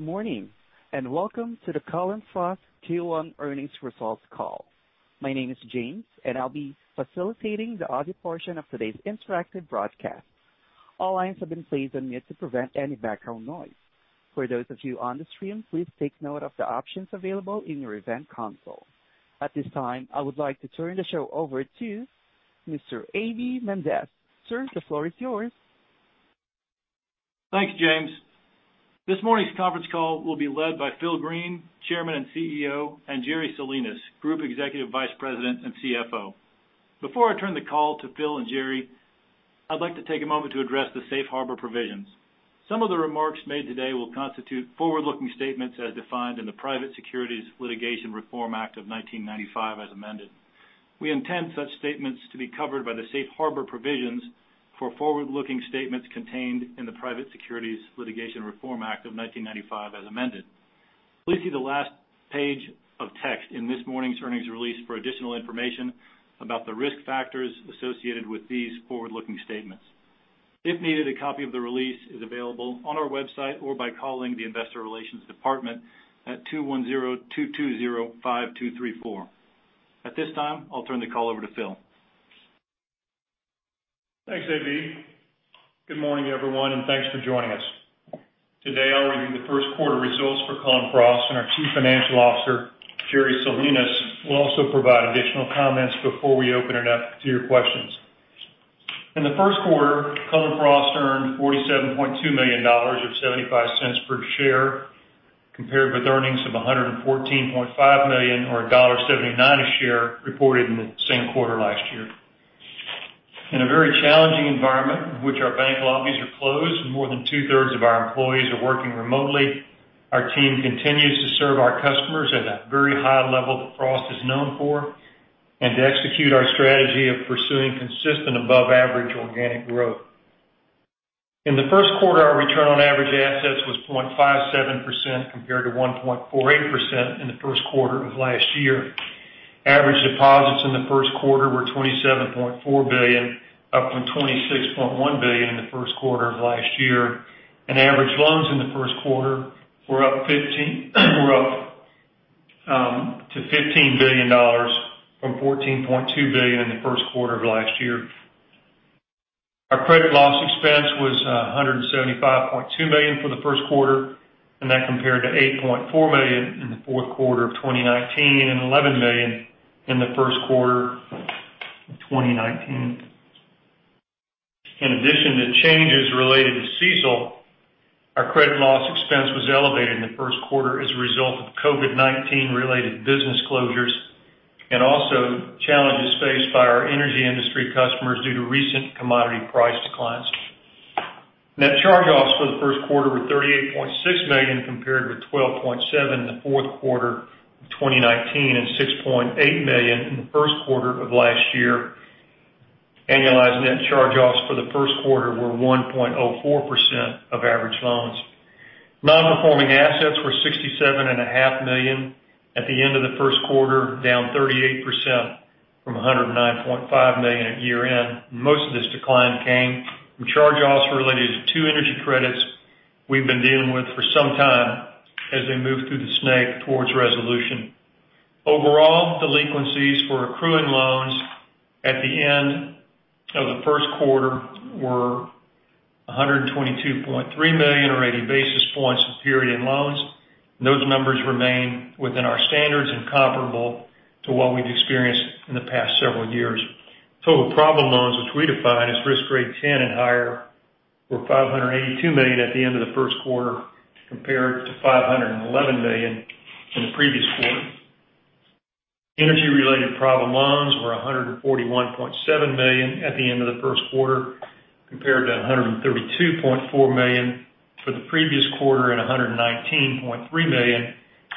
Good morning, welcome to the Cullen/Frost Q1 Earnings Results Call. My name is James, and I'll be facilitating the audio portion of today's interactive broadcast. All lines have been placed on mute to prevent any background noise. For those of you on the stream, please take note of the options available in your event console. At this time, I would like to turn the show over to Mr. A.B. Mendez. Sir, the floor is yours. Thanks, James. This morning's conference call will be led by Phil Green, Chairman and CEO, and Jerry Salinas, Group Executive Vice President and CFO. Before I turn the call to Phil and Jerry, I'd like to take a moment to address the safe harbor provisions. Some of the remarks made today will constitute forward-looking statements as defined in the Private Securities Litigation Reform Act of 1995 as amended. We intend such statements to be covered by the safe harbor provisions for forward-looking statements contained in the Private Securities Litigation Reform Act of 1995 as amended. Please see the last page of text in this morning's earnings release for additional information about the risk factors associated with these forward-looking statements. If needed, a copy of the release is available on our website or by calling the investor relations department at 210-220-5234. At this time, I'll turn the call over to Phil. Thanks, A.B. Good morning, everyone, and thanks for joining us. Today, I'll review the first quarter results for Cullen/Frost, and our Chief Financial Officer, Jerry Salinas, will also provide additional comments before we open it up to your questions. In the first quarter, Cullen/Frost earned $47.2 million, or $0.75 per share, compared with earnings of $114.5 million, or $1.79 a share, reported in the same quarter last year. In a very challenging environment in which our bank lobbies are closed and more than two-thirds of our employees are working remotely, our team continues to serve our customers at that very high level that Frost is known for, and to execute our strategy of pursuing consistent above-average organic growth. In the first quarter, our return on average assets was 0.57%, compared to 1.48% in the first quarter of last year. Average deposits in the first quarter were $27.4 billion, up from $26.1 billion in the first quarter of last year. Average loans in the first quarter were up to $15 billion from $14.2 billion in the first quarter of last year. Our credit loss expense was $175.2 million for the first quarter, and that compared to $8.4 million in the fourth quarter of 2019 and $11 million in the first quarter of 2019. In addition to changes related to CECL, our credit loss expense was elevated in the first quarter as a result of COVID-19 related business closures, and also challenges faced by our energy industry customers due to recent commodity price declines. Net charge-offs for the first quarter were $38.6 million, compared with $12.7 million in the fourth quarter of 2019 and $6.8 million in the first quarter of last year. Annualized net charge-offs for the first quarter were 1.04% of average loans. Non-performing assets were $67.5 million at the end of the first quarter, down 38% from $109.5 million at year-end. Most of this decline came from charge-offs related to two energy credits we've been dealing with for some time as they move through the SNC towards resolution. Overall delinquencies for accruing loans at the end of the first quarter were $122.3 million, or 80 basis points of period loans. Those numbers remain within our standards and comparable to what we've experienced in the past several years. Total problem loans, which we define as risk grade 10 and higher, were $582 million at the end of the first quarter, compared to $511 million in the previous quarter. Energy-related problem loans were $141.7 million at the end of the first quarter, compared to $132.4 million for the previous quarter and $119.3 million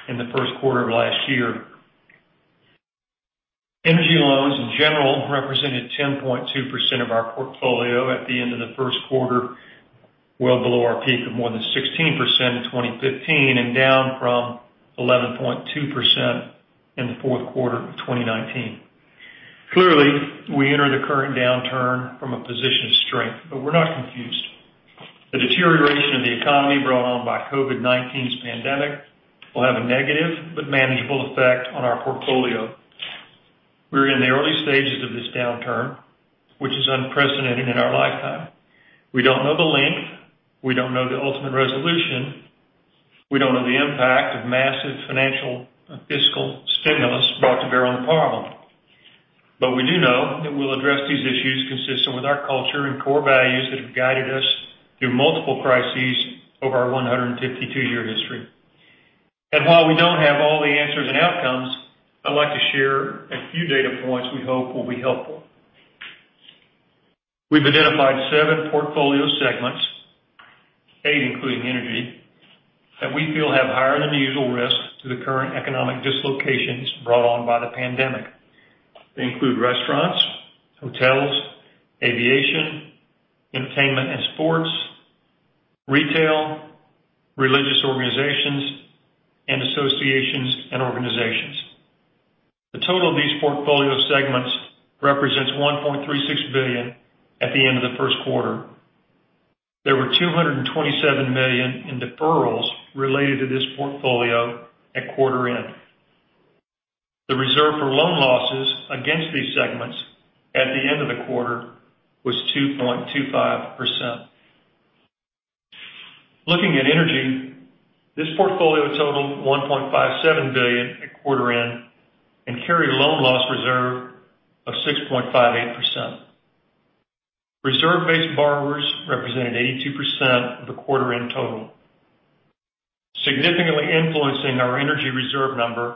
in the first quarter of last year. Energy loans in general represented 10.2% of our portfolio at the end of the first quarter, well below our peak of more than 16% in 2015 and down from 11.2% in the fourth quarter of 2019. Clearly, we entered the current downturn from a position of strength. We're not confused. The deterioration of the economy brought on by COVID-19's pandemic will have a negative but manageable effect on our portfolio. We're in the early stages of this downturn, which is unprecedented in our lifetime. We don't know the length. We don't know the ultimate resolution. We don't know the impact of massive financial fiscal stimulus brought to bear on the problem. We do know that we'll address these issues consistent with our culture and core values that have guided us through multiple crises over our 152-year history. While we don't have all the answers and outcomes, I'd like to share a few data points we hope will be helpful. We've identified seven portfolio segments, eight including energy, that we feel have higher than usual risk to the current economic dislocations brought on by the pandemic. They include restaurants, hotels, aviation, entertainment and sports, retail, religious organizations, and associations and organizations. The total of these portfolio segments represents $1.36 billion at the end of the first quarter. There were $227 million in deferrals related to this portfolio at quarter end. The reserve for loan losses against these segments at the end of the quarter was 2.25%. Looking at energy, this portfolio totaled $1.57 billion at quarter-end and carried a loan loss reserve of 6.58%. Reserve-based borrowers represented 82% of the quarter-end total. Significantly influencing our energy reserve number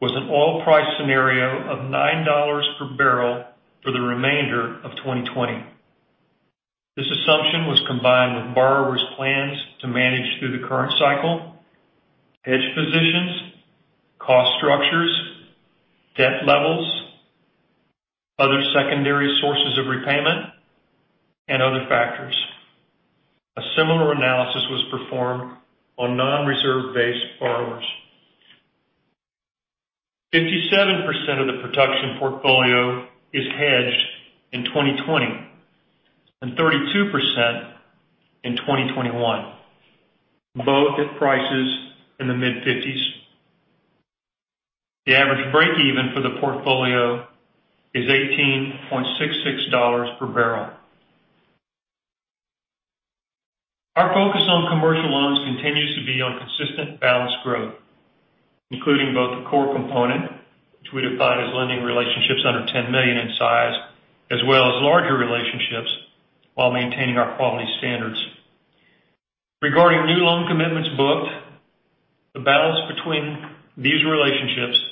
was an oil price scenario of $9 per barrel for the remainder of 2020. This assumption was combined with borrowers' plans to manage through the current cycle, hedge positions, cost structures, debt levels, other secondary sources of repayment, and other factors. A similar analysis was performed on non-reserve-based borrowers. 57% of the production portfolio is hedged in 2020, and 32% in 2021, both at prices in the mid-50s. The average break-even for the portfolio is $18.66 per barrel. Our focus on commercial loans continues to be on consistent balanced growth, including both the core component, which we define as lending relationships under $10 million in size, as well as larger relationships, while maintaining our quality standards. Regarding new loan commitments booked, the balance between these relationships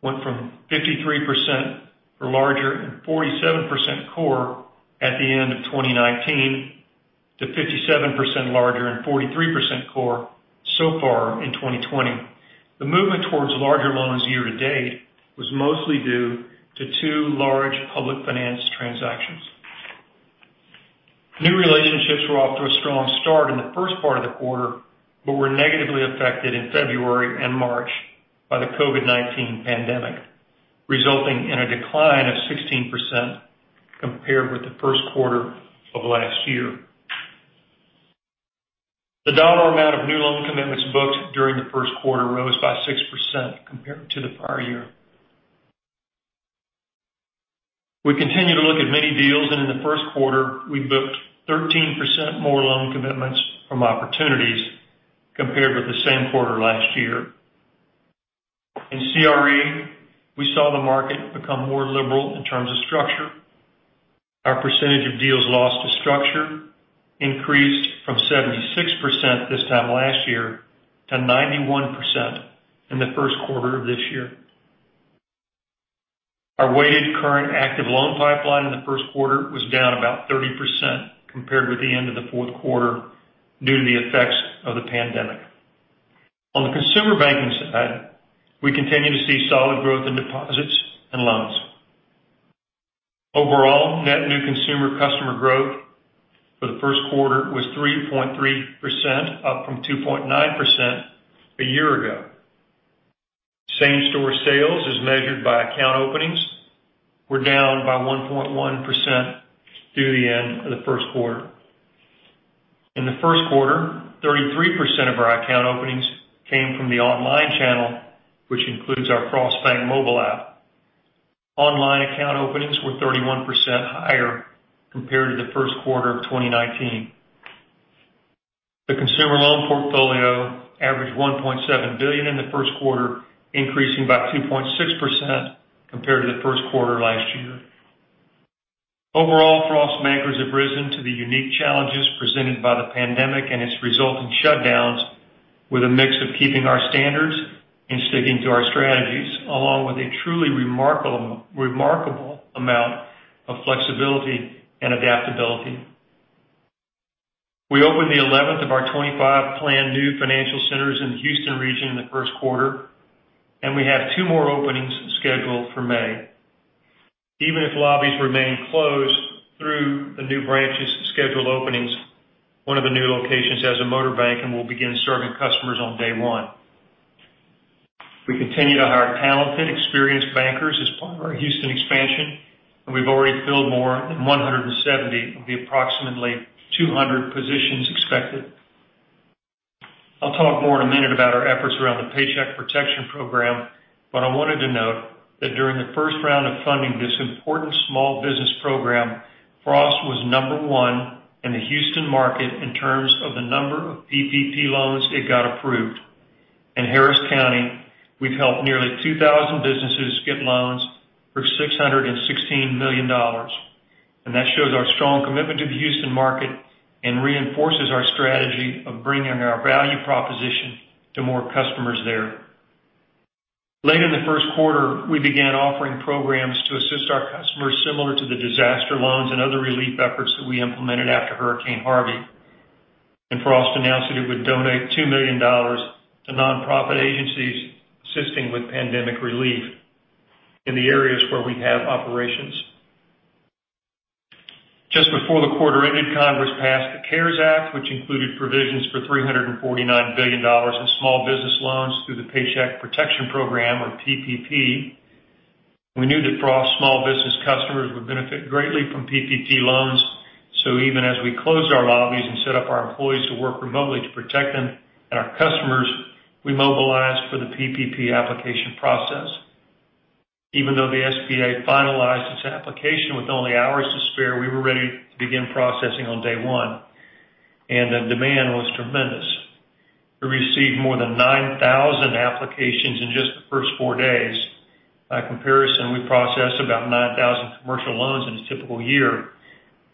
went from 53% for larger and 47% core at the end of 2019 to 57% larger and 43% core so far in 2020. The movement towards larger loans year-to-date was mostly due to two large public finance transactions. New relationships were off to a strong start in the first part of the quarter, but were negatively affected in February and March by the COVID-19 pandemic, resulting in a decline of 16% compared with the first quarter of last year. The dollar amount of new loan commitments booked during the first quarter rose by 6% compared to the prior year. We continue to look at many deals, in the first quarter, we booked 13% more loan commitments from opportunities compared with the same quarter last year. In CRE, we saw the market become more liberal in terms of structure. Our percentage of deals lost to structure increased from 76% this time last year to 91% in the first quarter of this year. Our weighted current active loan pipeline in the first quarter was down about 30% compared with the end of the fourth quarter due to the effects of the pandemic. On the consumer banking side, we continue to see solid growth in deposits and loans. Overall, net new consumer customer growth for the first quarter was 3.3%, up from 2.9% a year ago. Same-store sales as measured by account openings were down by 1.1% through the end of the first quarter. In the first quarter, 33% of our account openings came from the online channel, which includes our Frost Bank mobile app. Online account openings were 31% higher compared to the first quarter of 2019. The consumer loan portfolio averaged $1.7 billion in the first quarter, increasing by 2.6% compared to the first quarter last year. Overall, Frost bankers have risen to the unique challenges presented by the pandemic and its resulting shutdowns with a mix of keeping our standards and sticking to our strategies, along with a truly remarkable amount of flexibility and adaptability. We opened the 11th of our 25 planned new financial centers in the Houston region in the first quarter, and we have two more openings scheduled for May. Even if lobbies remain closed through the new branches' scheduled openings, one of the new locations has a motor bank and will begin serving customers on day one. We continue to hire talented, experienced bankers as part of our Houston expansion, and we've already filled more than 170 of the approximately 200 positions expected. I'll talk more in a minute about our efforts around the Paycheck Protection Program, but I wanted to note that during the first round of funding this important small business program, Frost was number one in the Houston market in terms of the number of PPP loans it got approved. In Harris County, we've helped nearly 2,000 businesses get loans for $616 million. That shows our strong commitment to the Houston market and reinforces our strategy of bringing our value proposition to more customers there. Late in the first quarter, we began offering programs to assist our customers similar to the disaster loans and other relief efforts that we implemented after Hurricane Harvey. Frost announced that it would donate $2 million to nonprofit agencies assisting with pandemic relief in the areas where we have operations. Just before the quarter ended, Congress passed the CARES Act, which included provisions for $349 billion in small business loans through the Paycheck Protection Program, or PPP. We knew that Frost small business customers would benefit greatly from PPP loans. Even as we closed our lobbies and set up our employees to work remotely to protect them and our customers, we mobilized for the PPP application process. Even though the SBA finalized its application with only hours to spare, we were ready to begin processing on day one. The demand was tremendous. We received more than 9,000 applications in just the first four days. By comparison, we process about 9,000 commercial loans in a typical year.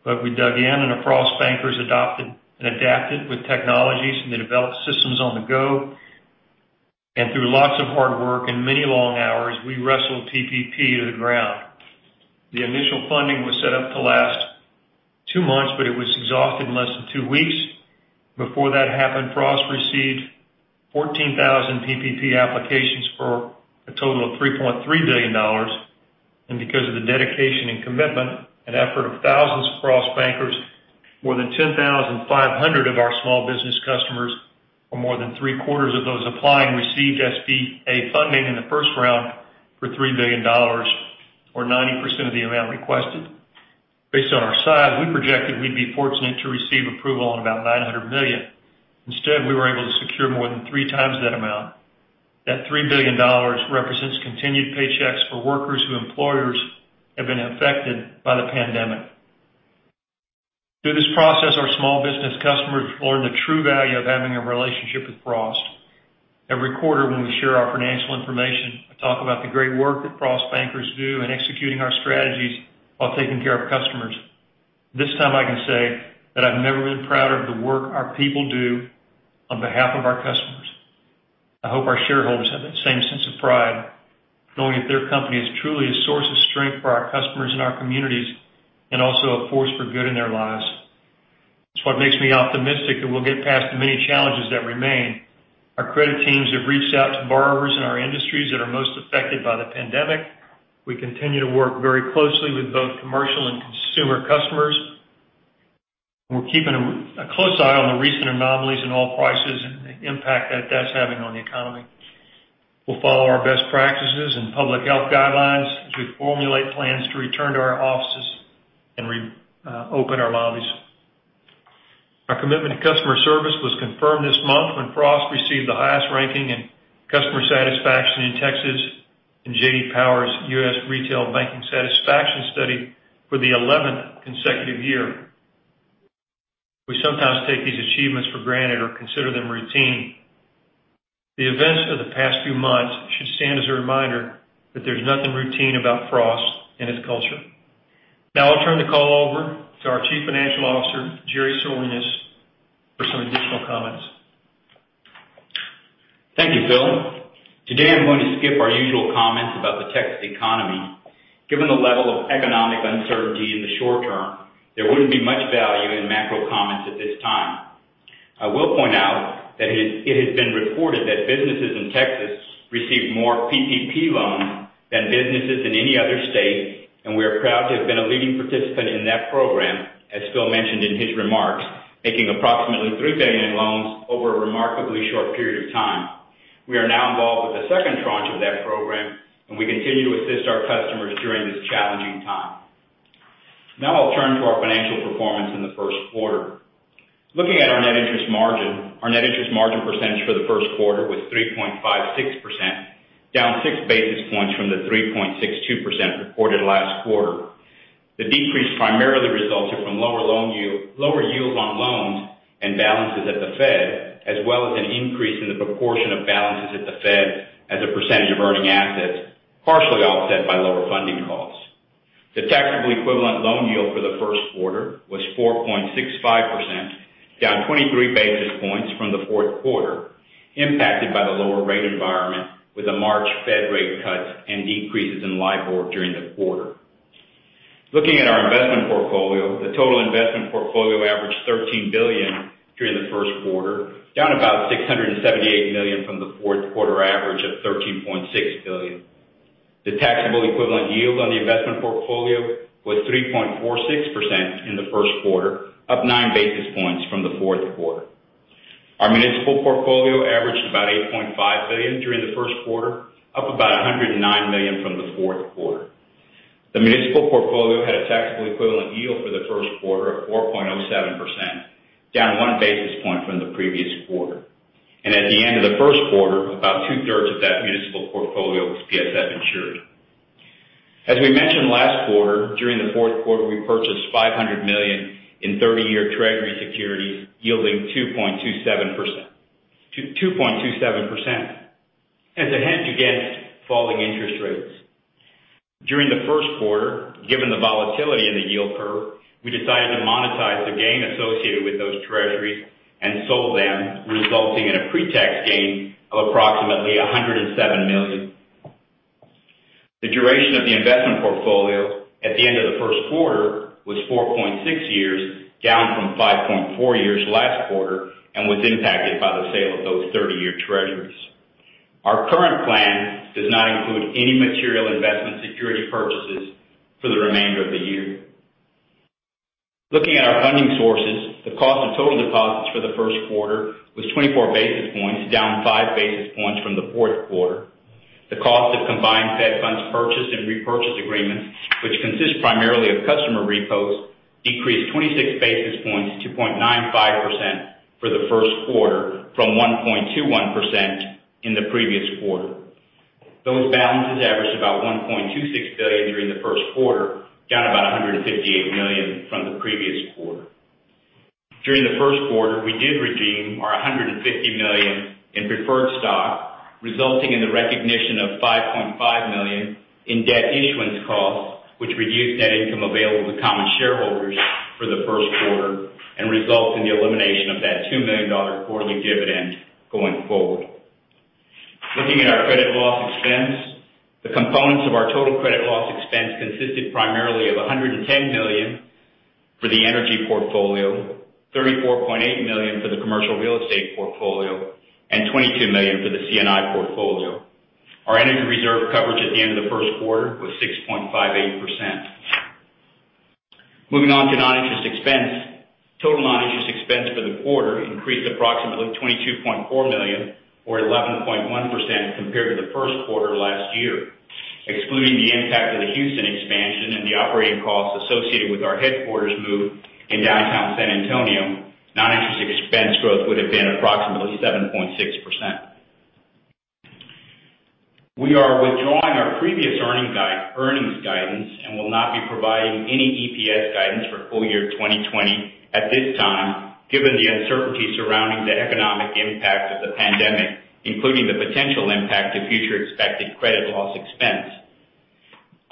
We dug in and Frost bankers adopted and adapted with technologies, and they developed systems on the go. Through lots of hard work and many long hours, we wrestled PPP to the ground. The initial funding was set up to last two months, but it was exhausted in less than two weeks. Before that happened, Frost received 14,000 PPP applications for a total of $3.3 billion. Because of the dedication and commitment and effort of thousands of Frost bankers, more than 10,500 of our small business customers, or more than three-quarters of those applying, received SBA funding in the first round for $3 billion, or 90% of the amount requested. Based on our size, we projected we'd be fortunate to receive approval on about $900 million. Instead, we were able to secure more than three times that amount. That $3 billion represents continued paychecks for workers whose employers have been affected by the pandemic. Through this process, our small business customers learned the true value of having a relationship with Frost. Every quarter when we share our financial information, I talk about the great work that Frost bankers do in executing our strategies while taking care of customers. This time, I can say that I've never been prouder of the work our people do on behalf of our customers. I hope our shareholders have that same sense of pride, knowing that their company is truly a source of strength for our customers and our communities, and also a force for good in their lives. It's what makes me optimistic that we'll get past the many challenges that remain. Our credit teams have reached out to borrowers in our industries that are most affected by the pandemic. We continue to work very closely with both commercial and consumer customers. We're keeping a close eye on the recent anomalies in oil prices and the impact that that's having on the economy. We'll follow our best practices and public health guidelines as we formulate plans to return to our offices and reopen our lobbies. Our commitment to customer service was confirmed this month when Frost received the highest ranking in customer satisfaction in Texas in J.D. Power's U.S. Retail Banking Satisfaction Study for the 11th consecutive year. We sometimes take these achievements for granted or consider them routine. The events of the past few months should stand as a reminder that there's nothing routine about Frost and its culture. Now I'll turn the call over to our Chief Financial Officer, Jerry Salinas, for some additional comments. Thank you, Phil. Today, I'm going to skip our usual comments about the Texas economy. Given the level of economic uncertainty in the short term, there wouldn't be much value in macro comments at this time. I will point out that it has been reported that businesses in Texas received more PPP loans than businesses in any other state, and we are proud to have been a leading participant in that program, as Phil mentioned in his remarks, making approximately $3 billion in loans over a remarkably short period of time. We are now involved with the second tranche of that program, and we continue to assist our customers during this challenging time. Now I'll turn to our financial performance in the first quarter. Looking at our net interest margin, our net interest margin percentage for the first quarter was 3.56%, down six basis points from the 3.62% reported last quarter. The decrease primarily resulted from lower yield on loans and balances at the Fed, as well as an increase in the proportion of balances at the Fed as a percentage of earning assets, partially offset by lower funding costs. The taxable equivalent loan yield for the first quarter was 4.65%, down 23 basis points from the fourth quarter, impacted by the lower rate environment with the March Fed rate cuts and decreases in LIBOR during the quarter. Looking at our investment portfolio, the total investment portfolio averaged $13 billion during the first quarter, down about $678 million from the fourth quarter average of $13.6 billion. The taxable equivalent yield on the investment portfolio was 3.46% in the first quarter, up nine basis points from the fourth quarter. Our municipal portfolio averaged about $8.5 billion during the first quarter, up about $109 million from the fourth quarter. The municipal portfolio had a taxable equivalent yield for the first quarter of 4.07%, down one basis point from the previous quarter. At the end of the first quarter, about two-thirds of that municipal portfolio was PSF insured. As we mentioned last quarter, during the fourth quarter, we purchased $500 million in 30-year treasury securities yielding 2.27% as a hedge against falling interest rates. During the first quarter, given the volatility in the yield curve, we decided to monetize the gain associated with those treasuries and sold them, resulting in a pre-tax gain of approximately $107 million. The duration of the investment portfolio at the end of the first quarter was 4.6 years, down from 5.4 years last quarter, and was impacted by the sale of those 30-year treasuries. Our current plan does not include any material investment security purchases for the remainder of the year. Looking at our funding sources, the cost of total deposits for the first quarter was 24 basis points, down five basis points from the fourth quarter. The cost of combined Fed funds purchased and repurchase agreements, which consist primarily of customer repos, decreased 26 basis points to 0.95% for the first quarter from 1.21% in the previous quarter. Those balances averaged about $1.26 billion during the first quarter, down about $158 million from the previous quarter. During the first quarter, we did redeem our $150 million in preferred stock, resulting in the recognition of $5.5 million in debt issuance costs, which reduced net income available to common shareholders for the first quarter and results in the elimination of that $2 million quarterly dividend going forward. Looking at our credit loss expense, the components of our total credit loss expense consisted primarily of $110 million for the energy portfolio, $34.8 million for the commercial real estate portfolio, and $22 million for the C&I portfolio. Our energy reserve coverage at the end of the first quarter was 6.58%. Moving on to non-interest expense. Total non-interest expense for the quarter increased approximately $22.4 million or 11.1% compared to the first quarter last year. Excluding the impact of the Houston expansion and the operating costs associated with our headquarters move in downtown San Antonio, non-interest expense growth would have been approximately 7.6%. We are withdrawing our previous earnings guidance and will not be providing any EPS guidance for full year 2020 at this time, given the uncertainty surrounding the economic impact of the pandemic, including the potential impact to future expected credit loss expense.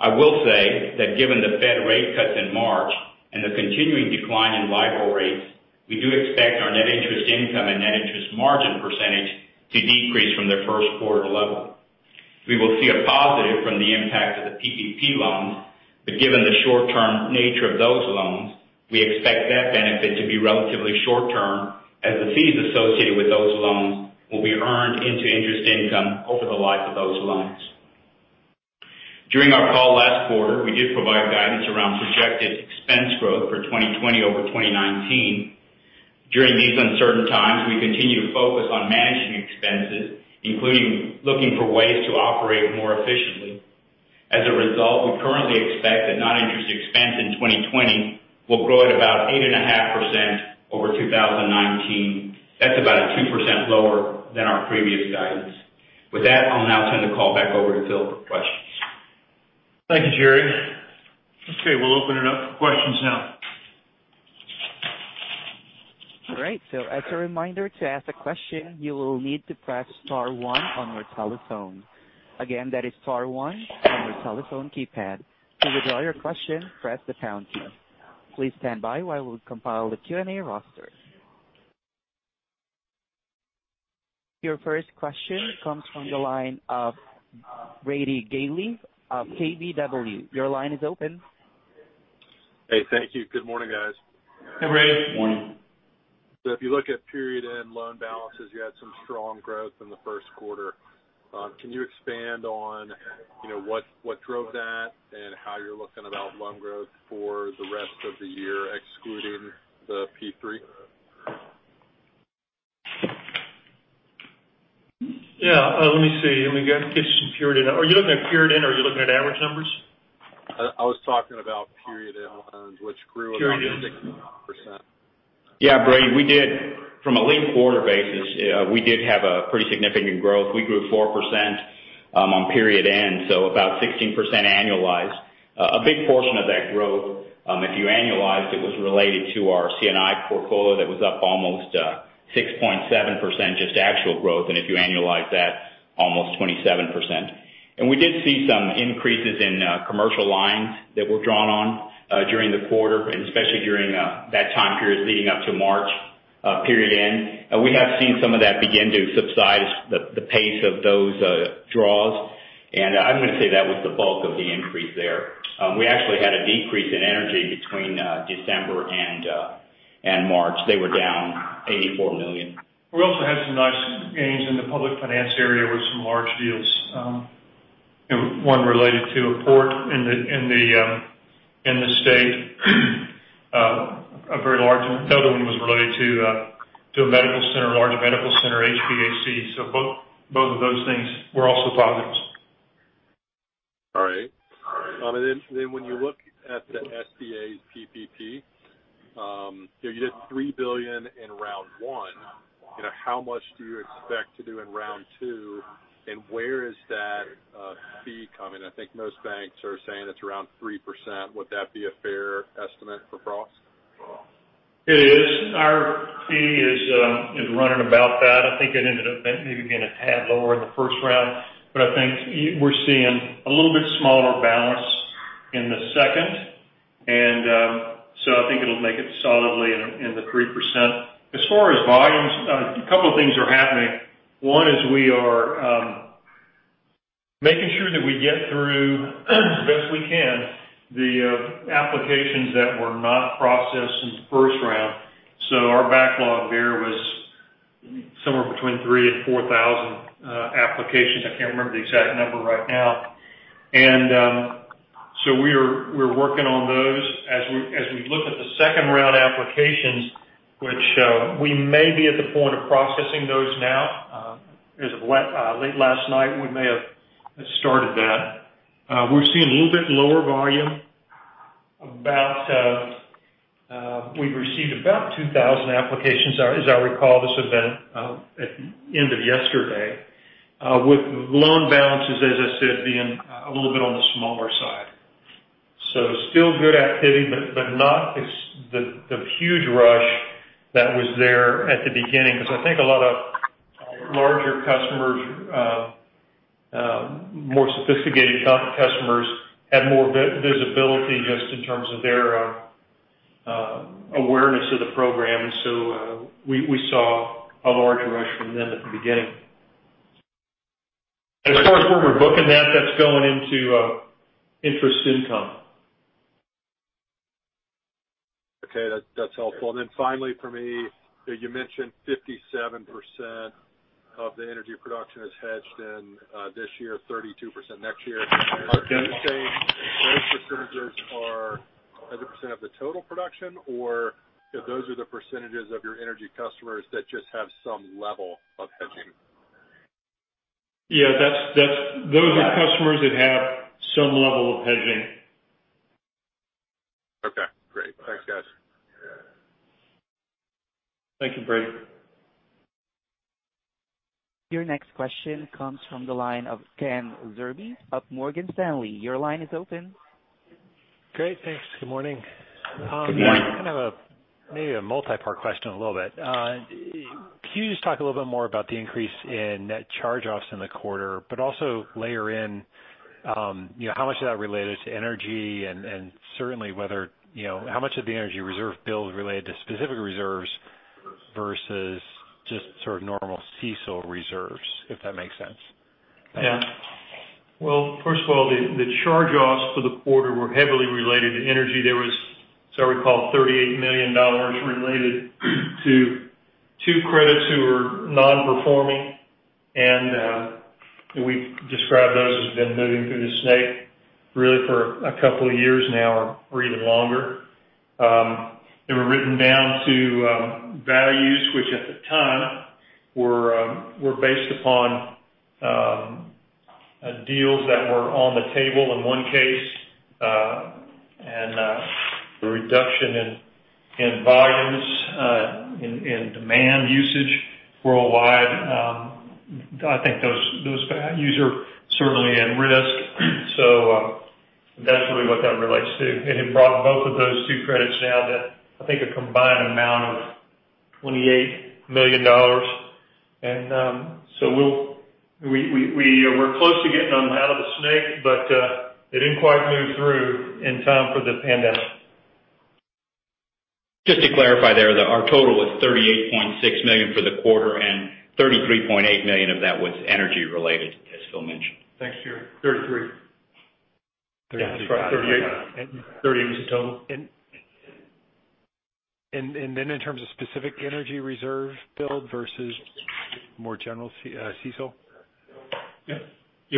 I will say that given the Fed rate cuts in March and the continuing decline in LIBOR rates, we do expect our net interest income and net interest margin percentage to decrease from their first quarter level. We will see a positive from the impact of the PPP loans. Given the short-term nature of those loans, we expect that benefit to be relatively short-term, as the fees associated with those loans will be earned into interest income over the life of those loans. During our call last quarter, we did provide guidance around projected expense growth for 2020 over 2019. During these uncertain times, we continue to focus on managing expenses, including looking for ways to operate more efficiently. As a result, we currently expect that non-interest expense in 2020 will grow at about 8.5% over 2019. That's about 2% lower than our previous guidance. With that, I'll now turn the call back over to Phil for questions. Thank you, Jerry. Okay, we'll open it up for questions now. All right, as a reminder, to ask a question, you will need to press star one on your telephone. Again, that is star one on your telephone keypad. To withdraw your question, press the pound key. Please stand by while we compile the Q&A roster. Your first question comes from the line of Brady Gailey of KBW. Your line is open. Hey. Thank you. Good morning, guys. Hey, Brady. Morning. If you look at period-end loan balances, you had some strong growth in the first quarter. Can you expand on what drove that and how you're looking about loan growth for the rest of the year, excluding the PPP? Yeah. Let me see. Let me get you some period-end. Are you looking at period-end or are you looking at average numbers? I was talking about period-end loans, which grew about 16%. Period-end. Yeah, Brady, from a linked quarter basis, we did have a pretty significant growth. We grew 4% on period-end, so about 16% annualized. A big portion of that growth, if you annualized it, was related to our C&I portfolio that was up almost 6.7% just actual growth, and if you annualize that, almost 27%. We did see some increases in commercial lines that were drawn on during the quarter, and especially during that time period leading up to March period-end. We have seen some of that begin to subside, the pace of those draws. I'm going to say that was the bulk of the increase there. We actually had a decrease in energy between December and March. They were down $84 million. We also had some nice gains in the public finance area with some large deals. One related to a port in the state, a very large one. The other one was related to a medical center, large medical center, HVAC. Both of those things were also positives. All right. When you look at the SBA PPP, you did $3 billion in Round one. How much do you expect to do in Round two? Where is that fee coming? I think most banks are saying it's around 3%. Would that be a fair estimate for Frost? It is. Our fee is running about that. I think it ended up maybe being a tad lower in the first round, but I think we're seeing a little bit smaller balance in the second. I think it'll make it solidly in the 3%. As far as volumes, a couple of things are happening. One is we are making sure that we get through as best we can the applications that were not processed in the first round. Our backlog there was somewhere between 3,000 and 4,000 applications. I can't remember the exact number right now. We're working on those. As we look at the second-round applications, which we may be at the point of processing those now. As of late last night, we may have started that. We're seeing a little bit lower volume. We've received about 2,000 applications, as I recall this event at the end of yesterday, with loan balances, as I said, being a little bit on the smaller side. Still good activity, but not the huge rush that was there at the beginning. I think a lot of larger customers, more sophisticated customers, had more visibility just in terms of their awareness of the program. We saw a larger rush from them at the beginning. As far as where we're booking that's going into interest income. Okay. That's helpful. Finally for me, you mentioned 57% of the energy production is hedged in this year, 32% next year. That's correct. Are you saying those percentages are as a percentage of the total production, or those are the percentages of your energy customers that just have some level of hedging? Yeah, those are customers that have some level of hedging. Okay, great. Thanks, guys. Thank you, Brady. Your next question comes from the line of Ken Zerbe of Morgan Stanley. Your line is open. Great. Thanks. Good morning. Good morning. Kind of maybe a multipart question a little bit. Can you just talk a little bit more about the increase in net charge-offs in the quarter, but also layer in how much of that related to energy and certainly whether, how much of the energy reserve build related to specific reserves versus just sort of normal CECL reserves, if that makes sense? Yeah. Well, first of all, the charge-offs for the quarter were heavily related to energy. There was, as I recall, $38 million related to two credits who were non-performing. We describe those as been moving through the SNC, really for a couple of years now or even longer. They were written down to values, which at the time were based upon deals that were on the table in one case, and a reduction in volumes, in demand usage worldwide. I think those are certainly at risk. That's really what that relates to. It brought both of those two credits down to, I think, a combined amount of $28 million. We're close to getting them out of the SNC, but they didn't quite move through in time for the pandemic. Just to clarify there that our total was $38.6 million for the quarter, and $33.8 million of that was energy related, as Phil mentioned. Thanks, Jerry. 33. 33. That's right. 38 was the total. In terms of specific energy reserve build versus more general CECL? Yeah.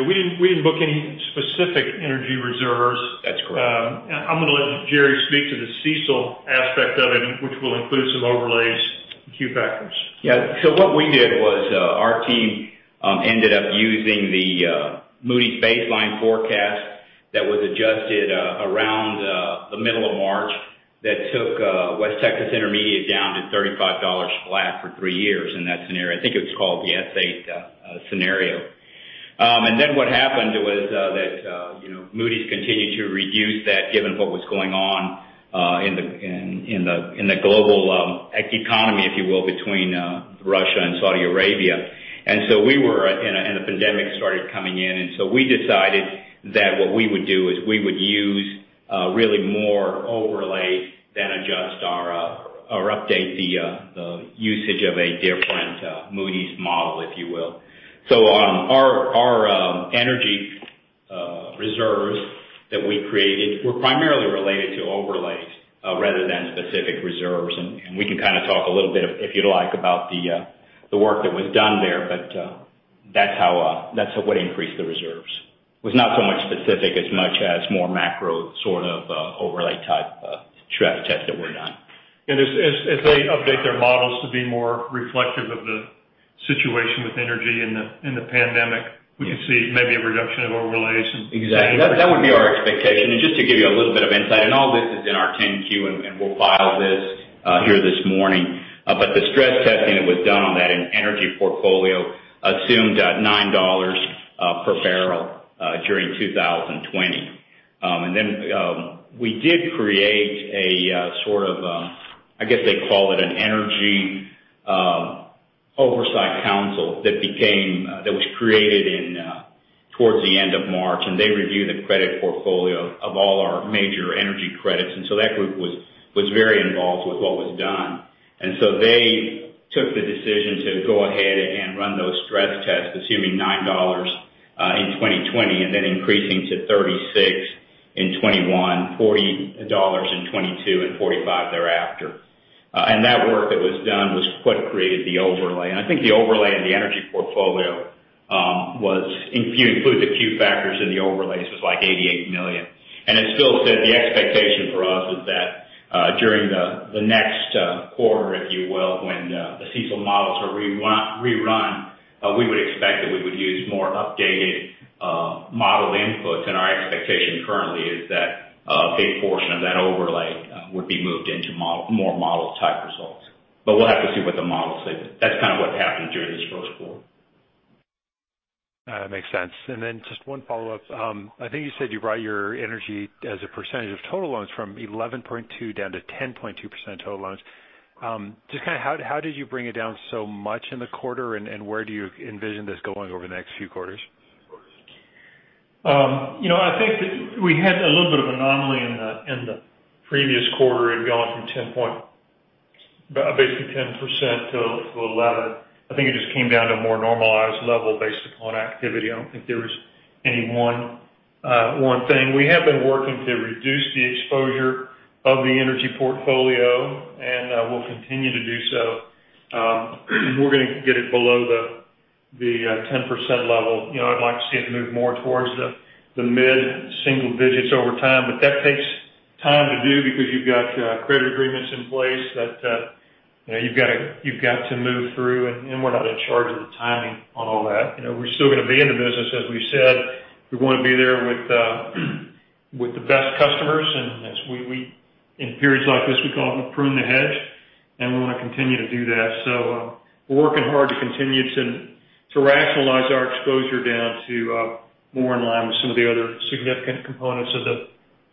We didn't book any specific energy reserves. That's correct. I'm going to let Jerry speak to the CECL aspect of it, which will include some overlays and Q factors. Yeah. What we did was our team ended up using the Moody's baseline forecast that was adjusted around the middle of March, that took West Texas Intermediate down to $35 flat for three years in that scenario. I think it was called the S8 scenario. What happened was that Moody's continued to reduce that given what was going on in the global economy, if you will, between Russia and Saudi Arabia. The pandemic started coming in. We decided that what we would do is we would use really more overlay than adjust or update the usage of a different Moody's model, if you will. Our energy reserves that we created were primarily related to overlays rather than specific reserves. We can kind of talk a little bit, if you'd like, about the work that was done there, but that's what increased the reserves, not so much specific as much as more macro sort of overlay type stress tests that were done. As they update their models to be more reflective of the situation with energy and the pandemic, we could see maybe a reduction of overlays. Exactly. That would be our expectation. Just to give you a little bit of insight, and all this is in our 10-Q, and we'll file this here this morning. The stress testing that was done on that energy portfolio assumed $9 per barrel during 2020. We did create a sort of, I guess they call it an Energy Oversight Council that was created towards the end of March, and they review the credit portfolio of all our major energy credits. That group was very involved with what was done. They took the decision to go ahead and run those stress tests, assuming $9 in 2020, increasing to $36 in 2021, $40 in 2022, and $45 thereafter. That work that was done was what created the overlay. I think the overlay of the energy portfolio was, if you include the Q factors in the overlays, was like $88 million. As Phil said, the expectation for us is that during the next quarter, if you will, when the CECL models are rerun, we would expect that we would use more updated model inputs. Our expectation currently is that a big portion of that overlay would be moved into more model type results. We'll have to see what the models say, but that's kind of what happened during this first quarter. Makes sense. Just one follow-up. I think you said you brought your energy as a percentage of total loans from 11.2% down to 10.2% total loans. Just how did you bring it down so much in the quarter, and where do you envision this going over the next few quarters? I think that we had a little bit of anomaly in the previous quarter. It had gone from basically 10%-11% think it just came down to a more normalized level based upon activity. I don't think there was any one thing. We have been working to reduce the exposure of the energy portfolio, and we'll continue to do so. We're going to get it below the 10% level. I'd like to see it move more towards the mid-single digits over time, but that takes time to do because you've got credit agreements in place that you've got to move through, and we're not in charge of the timing on all that. We're still going to be in the business, as we've said. We want to be there with the best customers, and in periods like this, we call it we prune the hedge, and we want to continue to do that. We're working hard to continue to rationalize our exposure down to more in line with some of the other significant components of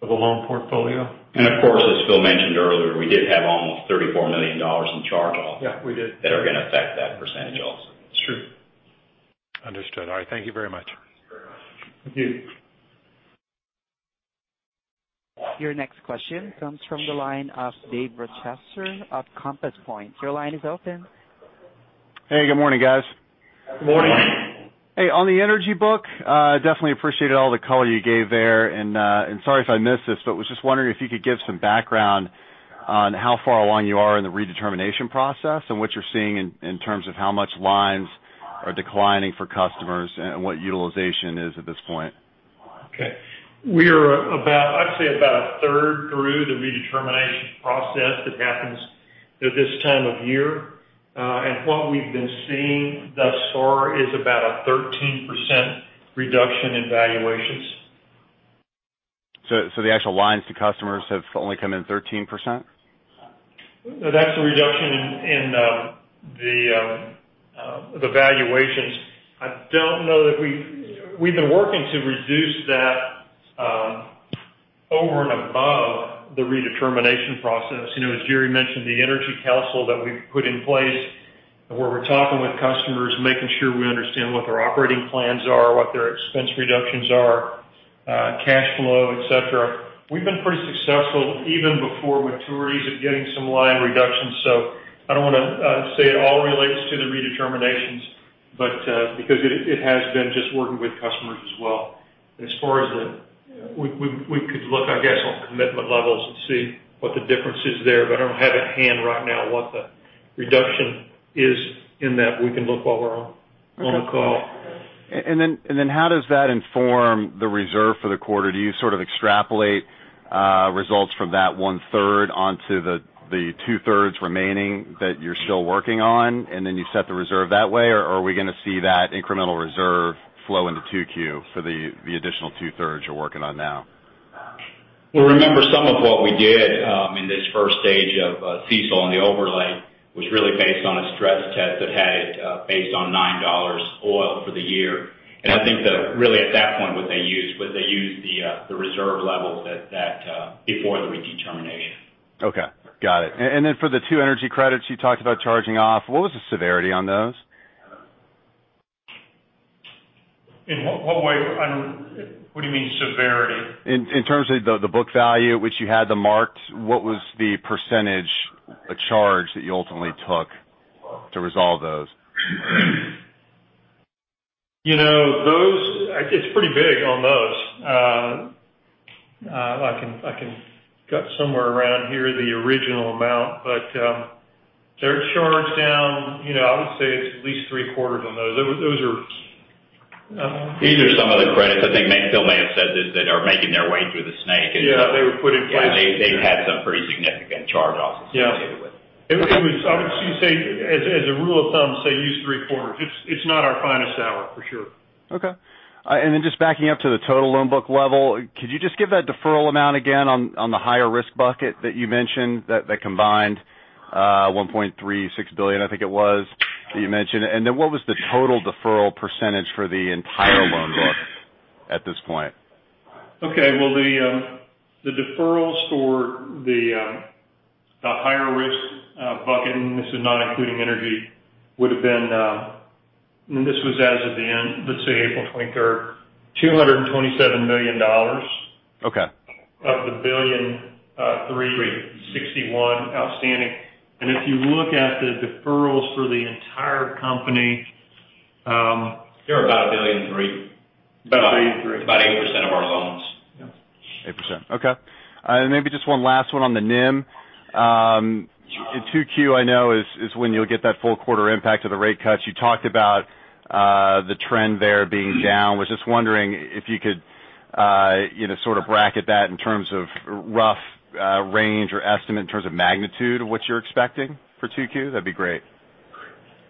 the loan portfolio. Of course, as Phil mentioned earlier, we did have almost $34 million in charge-offs. Yeah, we did. that are going to affect that percentage also. It's true. Understood. All right. Thank you very much. Thank you. Your next question comes from the line of Dave Rochester of Compass Point. Your line is open. Hey, good morning, guys. Good morning. Morning. Hey, on the energy book, definitely appreciated all the color you gave there, and sorry if I missed this, but was just wondering if you could give some background on how far along you are in the redetermination process and what you're seeing in terms of how much lines are declining for customers and what utilization is at this point. Okay. We are about, I'd say about a third through the redetermination process that happens at this time of year. What we've been seeing thus far is about a 13% reduction in valuations. The actual lines to customers have only come in 13%? That's a reduction in the valuations. We've been working to reduce that over and above the redetermination process. As Jerry mentioned, the energy council that we've put in place, where we're talking with customers, making sure we understand what their operating plans are, what their expense reductions are, cash flow, et cetera. We've been pretty successful, even before maturities, at getting some line reductions. I don't want to say it all relates to the redeterminations, because it has been just working with customers as well. We could look, I guess, on commitment levels and see what the difference is there. I don't have at hand right now what the reduction is in that. We can look while we're on the call. How does that inform the reserve for the quarter? Do you sort of extrapolate results from that one-third onto the two-thirds remaining that you're still working on, and then you set the reserve that way? Are we going to see that incremental reserve flow into 2Q for the additional two-thirds you're working on now? Well, remember, some of what we did in this stage one of CECL and the overlay was really based on a stress test that had it based on $9 oil for the year. I think that really at that point what they used was they used the reserve levels before the redetermination. Okay. Got it. For the two energy credits you talked about charging off, what was the severity on those? In what way? What do you mean severity? In terms of the book value at which you had them marked, what was the percentage charge that you ultimately took to resolve those? It's pretty big on those. Got somewhere around here the original amount, but they're charged down, I would say it's at least three-quarters on those. These are some of the credits, I think Phil may have said this, that are making their way through the SNC. Yeah, they were put in place. They've had some pretty significant charge-offs associated with them. Yeah. I would say, as a rule of thumb, say, use three-quarters. It's not our finest hour, for sure. Okay. Just backing up to the total loan book level, could you just give that deferral amount again on the higher risk bucket that you mentioned, that combined $1.36 billion, I think it was, that you mentioned, and then what was the total deferral percentage for the entire loan book at this point? Okay. Well, the deferrals for the higher risk bucket, and this is not including energy, would've been. This was as of the end, let's say April 23rd, $227 million. Okay. Of the $1.36 billion Outstanding. If you look at the deferrals for the entire company. They're About $1.3 billion About 8% of our loans. Yeah. 8%. Okay. Maybe just one last one on the NIM. 2Q I know is when you'll get that full quarter impact of the rate cuts. You talked about the trend there being down. I was just wondering if you could sort of bracket that in terms of rough range or estimate in terms of magnitude of what you're expecting for 2Q? That'd be great.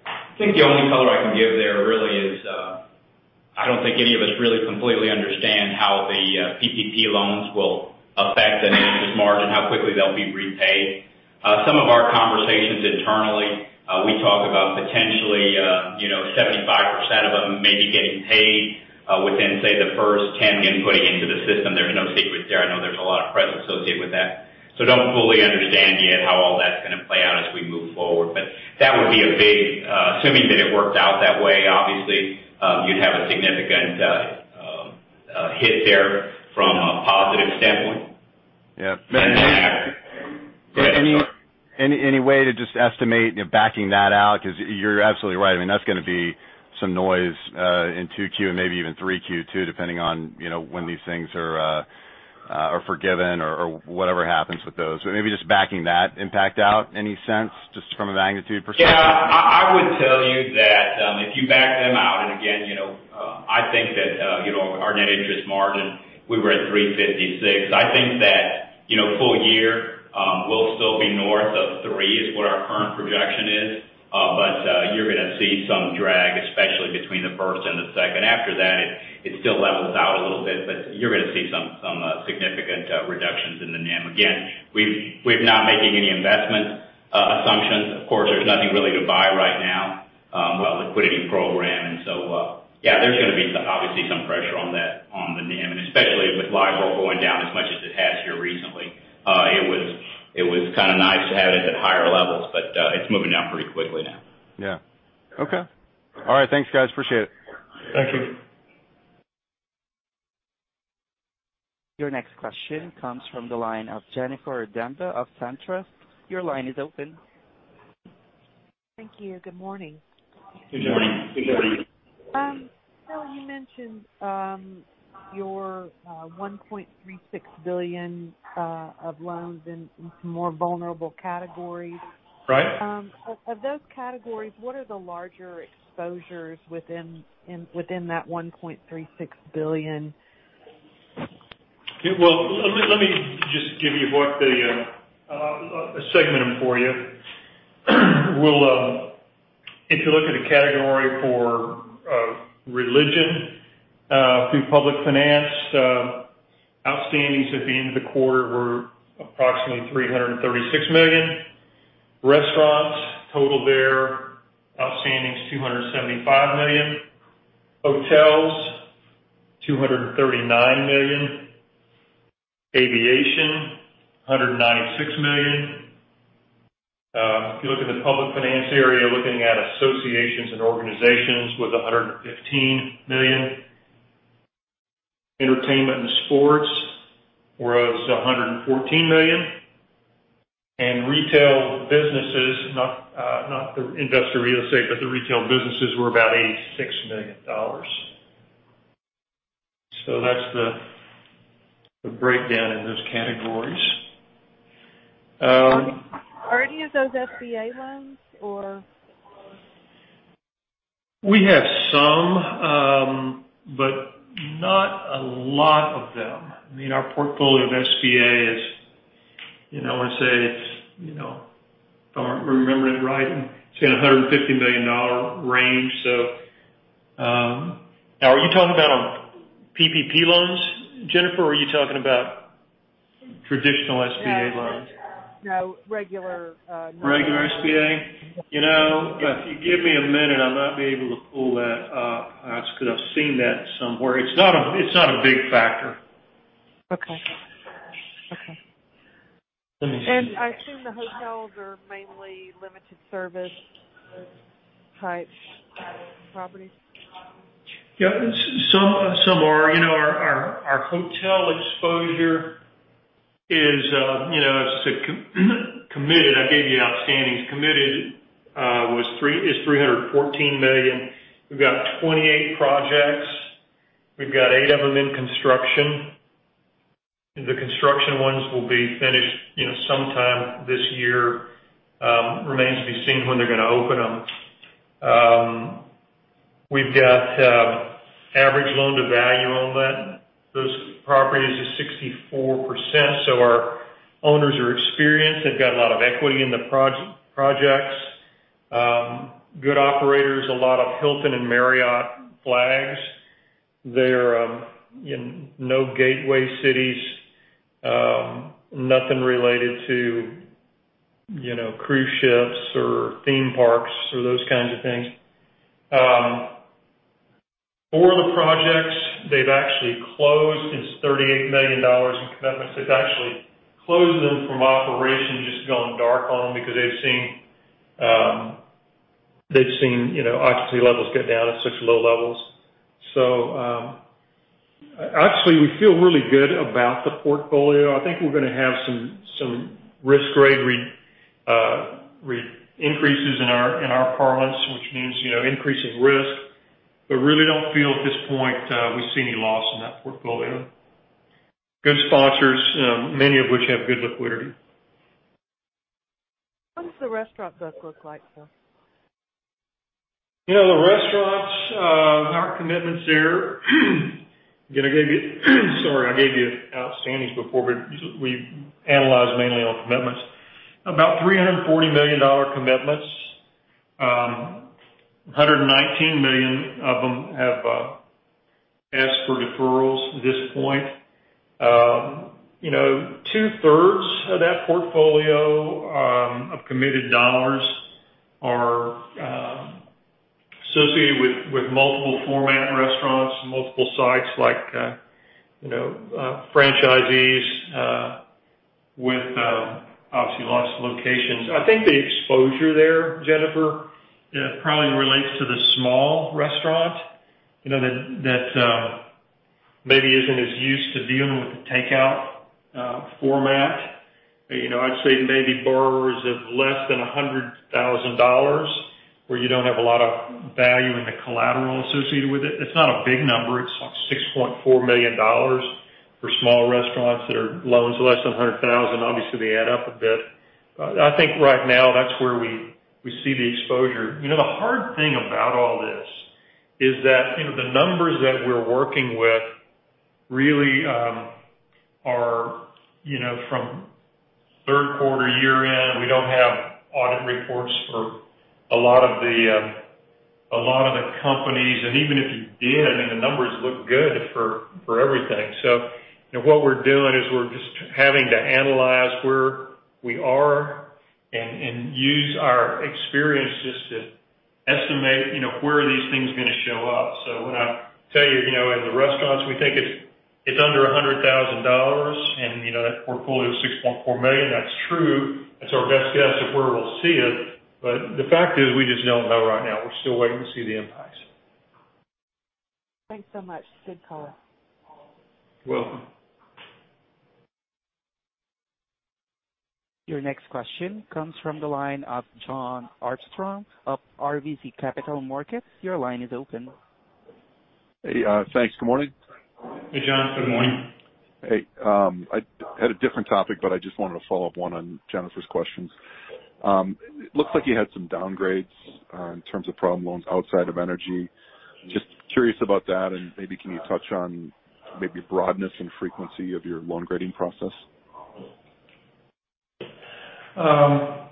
I think the only color I can give there really is, I don't think any of us really completely understand how the PPP loans will affect the net interest margin, how quickly they'll be repaid. Some of our conversations internally, we talk about potentially 75% of them maybe getting paid within, say, the first 10 input into the system. There's no secret there. I know there's a lot of press associated with that. Don't fully understand yet how all that's going to play out as we move forward. Assuming that it worked out that way, obviously, you'd have a significant hit there from a positive standpoint. Yeah. Any way to just estimate backing that out? You're absolutely right. That's going to be some noise in 2Q and maybe even 3Q too, depending on when these things are forgiven or whatever happens with those. Maybe just backing that impact out, any sense, just from a magnitude perspective? Yeah. I would tell you that if you back them out, again, I think that our net interest margin, we were at 3.56%. I think that full year, we'll still be north of three, is what our current projection is. You're going to see some drag, especially between the first and the second. After that, it still levels out a little bit, you're going to see some significant reductions in the NIM. Again, we're not making any investment assumptions. Of course, there's nothing really to buy right now. We've got a liquidity program. Yeah, there's going to be obviously some pressure on the NIM, and especially with LIBOR going down as much as it has here recently. It was kind of nice to have it at higher levels, it's moving down pretty quickly now. Yeah. Okay. All right, thanks, guys. Appreciate it. Thank you. Your next question comes from the line of Jennifer Demba of SunTrust. Your line is open. Thank you. Good morning. Good morning. Good morning. Phil, you mentioned your $1.36 billion of loans in more vulnerable categories. Right. Of those categories, what are the larger exposures within that $1.36 billion? Well, let me just give you what segment them for you. If you look at a category for religion through public finance, outstandings at the end of the quarter were approximately $336 million. Restaurants, total there, outstandings $275 million. Hotels, $239 million. Aviation, $196 million. If you look in the public finance area, looking at associations and organizations with $115 million. Entertainment and sports was $114 million. Retail businesses, not the industrial real estate, but the retail businesses were about $86 million. That's the breakdown in those categories. Are any of those SBA loans or? We have some, but not a lot of them. I mean, our portfolio of SBA is, I want to say it's, if I'm remembering it right, it's in the $150 million range. Now, are you talking about on PPP loans, Jennifer, or are you talking about traditional SBA loans? No. Regular loans. Regular SBA? If you give me a minute, I might be able to pull that up. That's because I've seen that somewhere. It's not a big factor. Okay. Let me see. I assume the hotels are mainly limited service types properties? Yeah. Some are. Our hotel exposure is, as I said, committed. I gave you outstandings. Committed is $314 million. We've got 28 projects. We've got eight of them in construction. The construction ones will be finished sometime this year. Remains to be seen when they're going to open them. We've got average loan-to-value on those properties is 64%, so our owners are experienced. They've got a lot of equity in the projects. Good operators. A lot of Hilton and Marriott flags. No gateway cities, nothing related to cruise ships or theme parks or those kinds of things. Four of the projects they've actually closed. It's $38 million in commitments. They've actually closed them from operation, just gone dark on them because they've seen occupancy levels get down at such low levels. Actually, we feel really good about the portfolio. I think we're going to have some risk grade increases in our parlance, which means increase of risk. Really don't feel at this point we see any loss in that portfolio. Good sponsors, many of which have good liquidity. What does the restaurant book look like, Phil? The restaurants, our commitments there. Sorry, I gave you outstandings before, but we analyze mainly on commitments. About $340 million commitments. $119 million of them have asked for deferrals at this point. Two-thirds of that portfolio of committed dollars are associated with multiple format restaurants, multiple sites like franchisees with obviously lots of locations. I think the exposure there, Jennifer, probably relates to the small restaurant, that maybe isn't as used to dealing with the takeout format. I'd say maybe borrowers of less than $100,000, where you don't have a lot of value in the collateral associated with it. It's not a big number. It's like $6.4 million for small restaurants that are loans less than $100,000. Obviously, they add up a bit. I think right now that's where we see the exposure. The hard thing about all this is that the numbers that we're working with really are from third quarter, year-end. We don't have audit reports for a lot of the companies. Even if you did, the numbers look good for everything. What we're doing is we're just having to analyze where we are and use our experiences to estimate where are these things going to show up. When I tell you, in the restaurants, we think it's under $100,000 and that portfolio is $6.4 million. That's true. That's our best guess of where we'll see it. The fact is, we just don't know right now. We're still waiting to see the impacts. Thanks so much. Good call. You're welcome. Your next question comes from the line of Jon Arfstrom of RBC Capital Markets. Your line is open. Hey. Thanks. Good morning. Hey, Jon. Good morning. Hey. I had a different topic, but I just wanted to follow up on Jennifer's questions. Looks like you had some downgrades in terms of problem loans outside of energy. Just curious about that and maybe can you touch on broadness and frequency of your loan grading process? Yeah.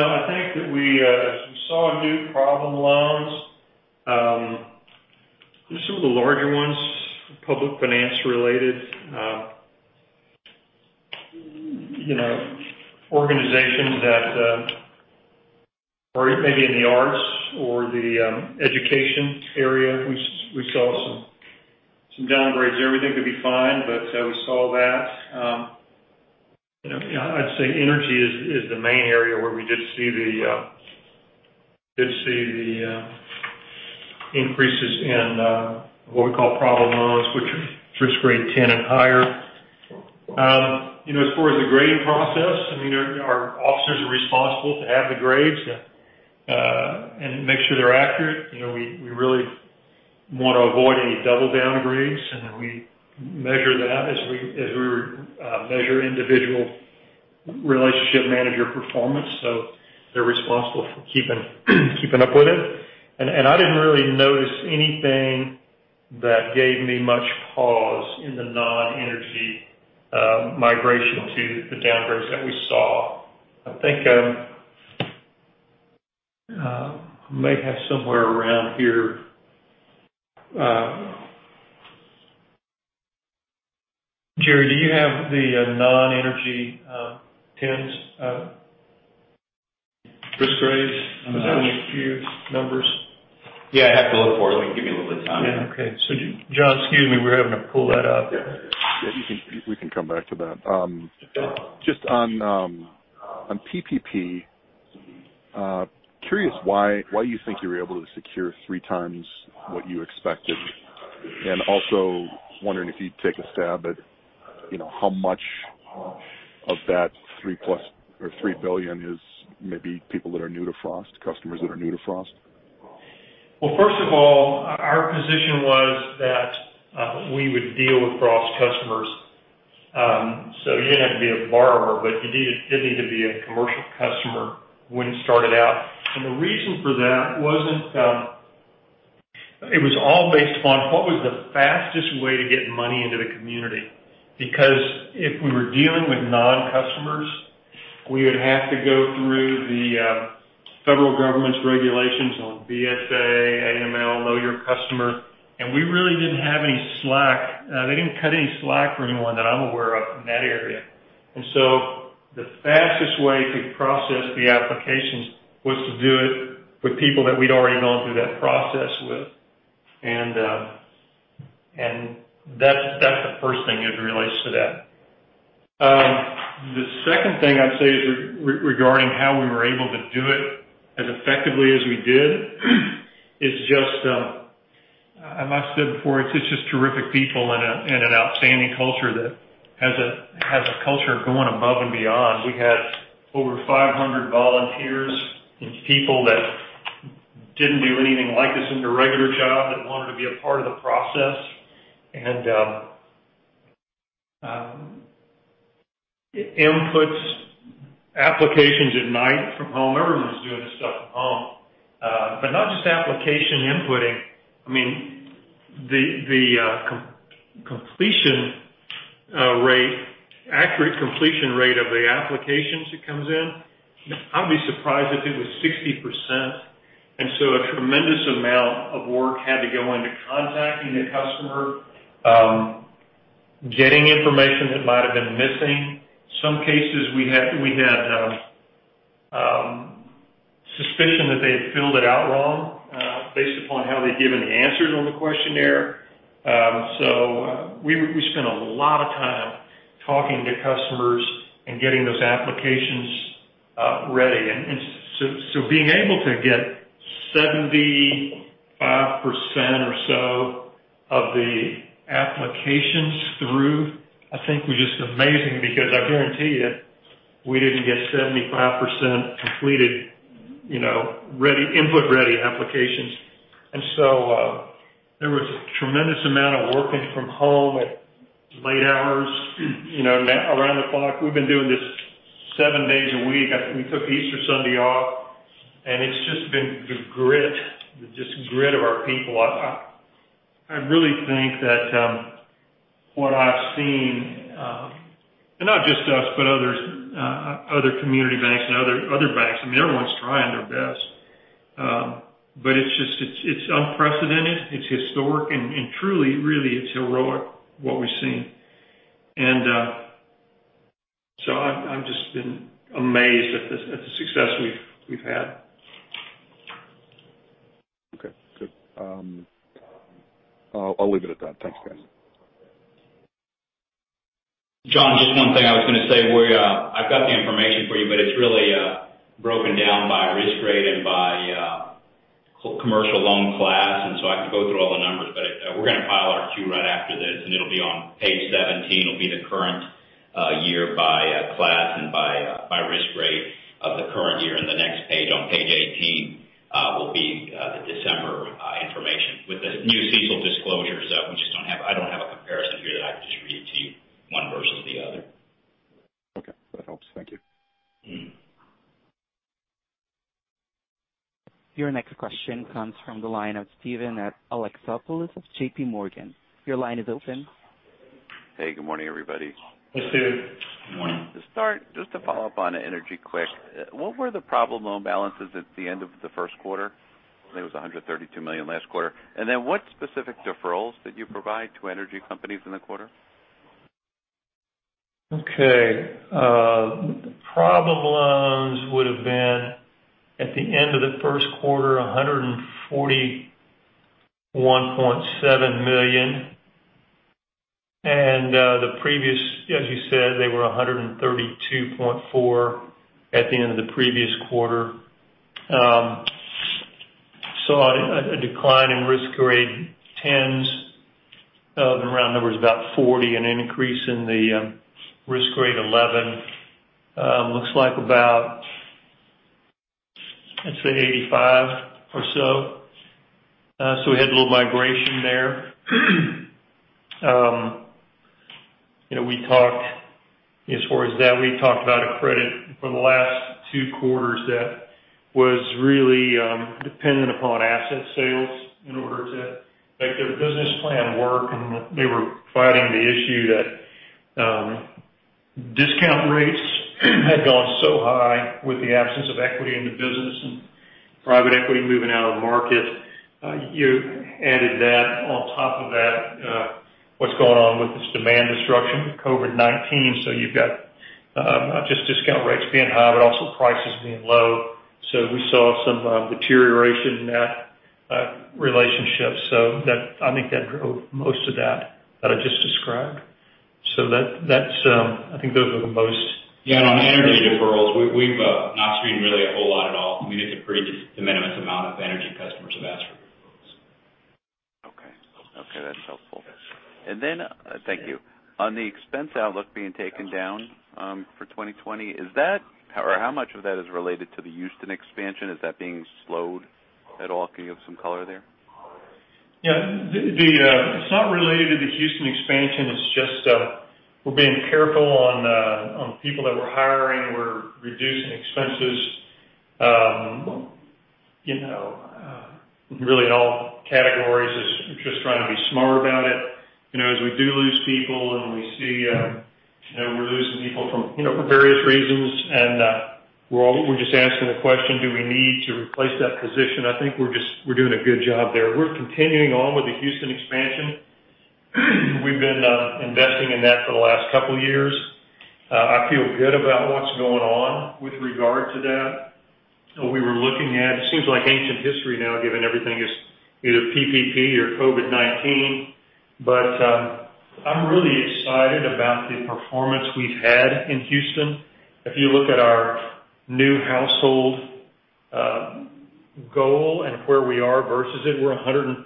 I think that we saw new problem loans. Some of the larger ones, public finance-related organizations that are maybe in the arts or the education area. We saw some downgrades. Everything could be fine, but we saw that. I'd say energy is the main area where we did see the increases in what we call problem loans, which are risk grade 10 and higher. As far as the grading process, our officers are responsible to have the grades and make sure they're accurate. We really want to avoid any double downgrades, and then we measure that as we measure individual relationship manager performance. They're responsible for keeping up with it. I didn't really notice anything that gave me much pause in the non-energy migration to the downgrades that we saw. I think I may have somewhere around here. Jerry, do you have the non-energy risk grades? I'm not sure. I have a few numbers. Yeah, I'd have to look for it. Give me a little time. Yeah. Okay. Jon, excuse me, we're having to pull that up. Yeah. We can come back to that. Just on PPP, curious why you think you were able to secure three times what you expected? Also wondering if you'd take a stab at how much of that $3 billion is maybe people that are new to Frost, customers that are new to Frost? Well, first of all, our position was that we would deal with Frost customers. You didn't have to be a borrower, but you did need to be a commercial customer when it started out. The reason for that, it was all based upon what was the fastest way to get money into the community. Because if we were dealing with non-customers, we would have to go through the federal government's regulations on BSA, AML, Know Your Customer, and we really didn't have any slack. They didn't cut any slack for anyone that I'm aware of in that area. The fastest way to process the applications was to do it with people that we'd already gone through that process with. That's the first thing as it relates to that. The second thing I'd say is regarding how we were able to do it as effectively as we did, is just, as I've said before, it's just terrific people and an outstanding culture that has a culture of going above and beyond. We had over 500 volunteers and people that didn't do anything like this in their regular job that wanted to be a part of the process. Inputs applications at night from home. Everyone was doing this stuff from home. Not just application inputting. I mean, the accurate completion rate of the applications that comes in, I'd be surprised if it was 60%. A tremendous amount of work had to go into contacting the customer, getting information that might have been missing. Some cases we had suspicion that they had filled it out wrong based upon how they'd given the answers on the questionnaire. We spent a lot of time talking to customers and getting those applications ready. Being able to get 75% or so of the applications through, I think, was just amazing because I guarantee you, we didn't get 75% completed input-ready applications. There was a tremendous amount of working from home at late hours, around the clock. We've been doing this seven days a week. We took Easter Sunday off, and it's just been the grit, just grit of our people. I really think that what I've seen, and not just us, but other community banks and other banks, I mean, everyone's trying their best. It's unprecedented, it's historic, and truly, really, it's heroic what we've seen. I've just been amazed at the success we've had. Okay, good. I'll leave it at that. Thanks, guys. Jon, just one thing I was going to say, I've got the information for you. It's really broken down by risk grade and by commercial loan class, and so I have to go through all the numbers. We're going to file our Q right after this, and it'll be on page 17. It'll be the current year by class and by risk rate of the current year. The next page, on page 18, will be the December information. With the new CECL disclosures, though, I don't have a comparison here that I can just read to you one versus the other. Okay. That helps. Thank you. Your next question comes from the line of Steven Alexopoulos of JPMorgan. Your line is open. Hey, good morning, everybody. Hey, Steve. Good morning. To start, just to follow up on energy quick, what were the problem loan balances at the end of the first quarter? I think it was $132 million last quarter. What specific deferrals did you provide to energy companies in the quarter? Okay. Problem loans would've been, at the end of the first quarter, $141.7 million. The previous, as you said, they were $132.4 at the end of the previous quarter. Saw a decline in risk grade 10s of, in round numbers, about 40, and an increase in the risk grade 11, looks like about, let's say, 85 or so. We had a little migration there. As far as that, we talked about a credit for the last two quarters that was really dependent upon asset sales in order to make their business plan work, and they were fighting the issue that discount rates had gone so high with the absence of equity in the business and private equity moving out of the market. You added that. On top of that, what's going on with this demand destruction with COVID-19, so you've got not just discount rates being high, but also prices being low. We saw some deterioration in that relationship. I think that drove most of that I just described. Yeah, on energy deferrals, we've not seen really a whole lot at all. I mean, it's a pretty de minimis amount of energy customers have asked for deferrals. Okay. That's helpful. Thank you. On the expense outlook being taken down for 2020, how much of that is related to the Houston expansion? Is that being slowed at all? Can you give some color there? Yeah. It's not related to the Houston expansion. It's just we're being careful on people that we're hiring. We're reducing expenses really in all categories. Just trying to be smart about it. As we do lose people and we see we're losing people for various reasons, and we're just asking the question, do we need to replace that position? I think we're doing a good job there. We're continuing on with the Houston expansion. We've been investing in that for the last couple of years. I feel good about what's going on with regard to that. We were looking at, it seems like ancient history now, given everything is either PPP or COVID-19. I'm really excited about the performance we've had in Houston. If you look at our new household goal and where we are versus it, we're 146%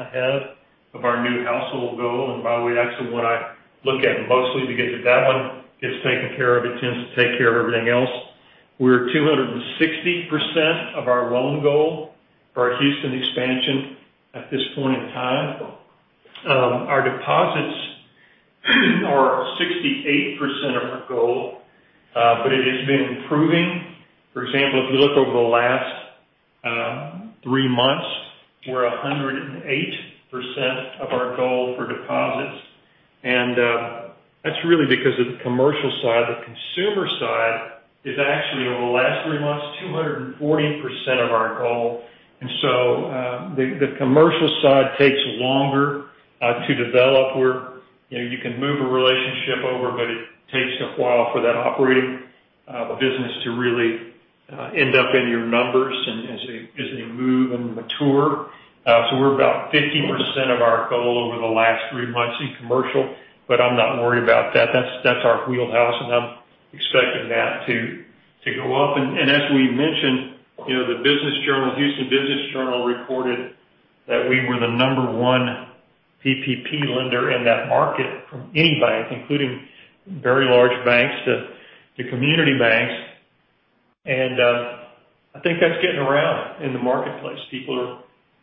ahead of our new household goal. By the way, actually, what I look at mostly to get to that one, gets taken care of, it tends to take care of everything else. We're at 260% of our loan goal for our Houston expansion at this point in time. Our deposits are 68% of our goal, but it has been improving. For example, if you look over the last three months, we're 108% of our goal for deposits. That's really because of the commercial side. The consumer side is actually, over the last three months, 240% of our goal. The commercial side takes longer to develop where you can move a relationship over, but it takes a while for that operating business to really end up in your numbers, and as they move and mature. We're about 15% of our goal over the last three months in commercial, but I'm not worried about that. That's our wheelhouse, and I'm expecting that to go up. As we mentioned, the Houston Business Journal reported that we were the number one PPP lender in that market from any bank, including very large banks to community banks. I think that's getting around in the marketplace. People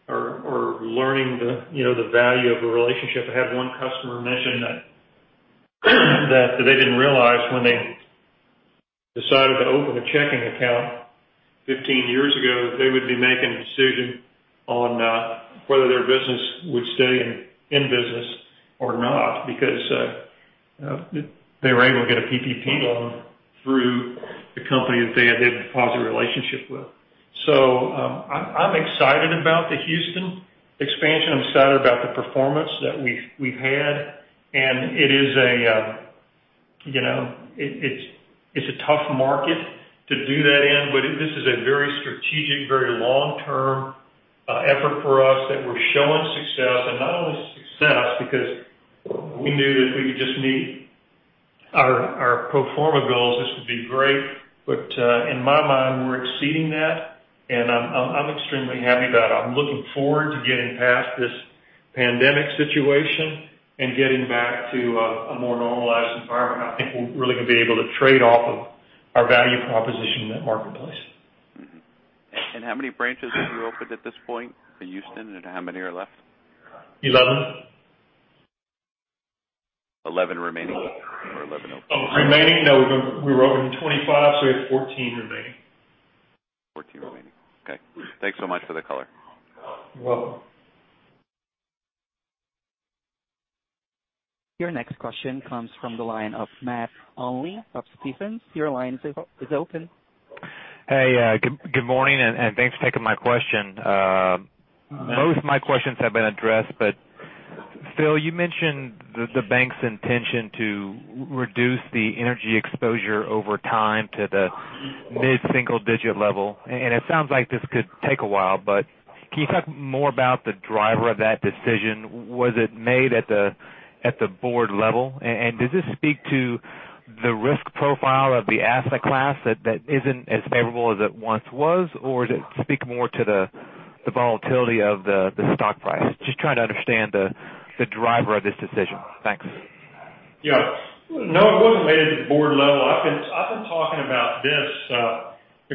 are learning the value of a relationship. I had one customer mention that, they didn't realize when they decided to open a checking account 15 years ago, that they would be making a decision on whether their business would stay in business or not because they were able to get a PPP loan through the company that they had a deposit relationship with. I'm excited about the Houston expansion. I'm excited about the performance that we've had. It's a tough market to do that in, but this is a very strategic, very long-term effort for us that we're showing success. Not only success, because we knew that if we could just meet our pro forma goals, this would be great. In my mind, we're exceeding that, and I'm extremely happy about it. I'm looking forward to getting past this pandemic situation and getting back to a more normalized environment. I think we're really going to be able to trade off of our value proposition in that marketplace. How many branches have you opened at this point in Houston, and how many are left? 11. 11 remaining or 11 open? Oh, remaining. No, we were open 25, so we have 14 remaining. 14 remaining. Okay. Thanks so much for the color. You're welcome. Your next question comes from the line of Matt Olney of Stephens. Your line is open. Hey, good morning, thanks for taking my question. Most of my questions have been addressed. Phil, you mentioned the bank's intention to reduce the energy exposure over time to the mid-single digit level. It sounds like this could take a while, but can you talk more about the driver of that decision? Was it made at the board level? Does this speak to the risk profile of the asset class that isn't as favorable as it once was? Does it speak more to the volatility of the stock price? Just trying to understand the driver of this decision. Thanks. No, it wasn't made at the board level. I've been talking about this.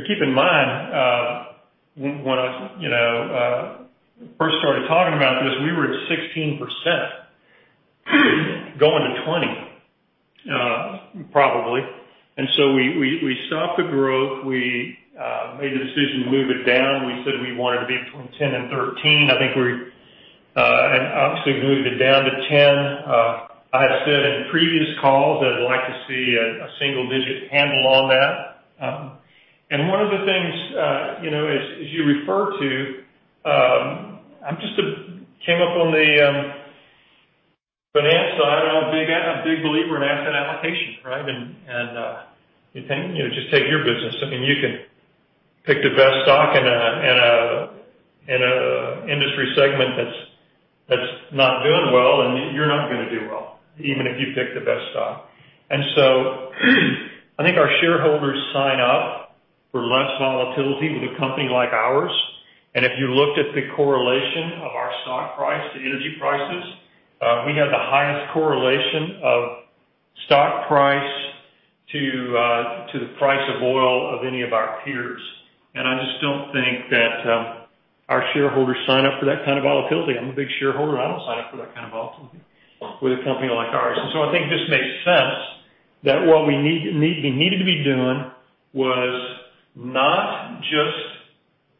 Keep in mind, when I first started talking about this, we were at 16%, going to 20%, probably. We stopped the growth. We made the decision to move it down. We said we wanted to be between 10 and 13. Obviously, we moved it down to 10. I have said in previous calls that I'd like to see a single-digit handle on that. One of the things, as you refer to, I just came up on the finance side, and I'm a big believer in asset allocation, right? Just take your business. You could pick the best stock in an industry segment that's not doing well, and you're not going to do well, even if you pick the best stock. I think our shareholders sign up for less volatility with a company like ours. If you looked at the correlation of our stock price to energy prices, we have the highest correlation of stock price to the price of oil of any of our peers. I just don't think that our shareholders sign up for that kind of volatility. I'm a big shareholder. I don't sign up for that kind of volatility with a company like ours. I think it just makes sense that what we needed to be doing was not just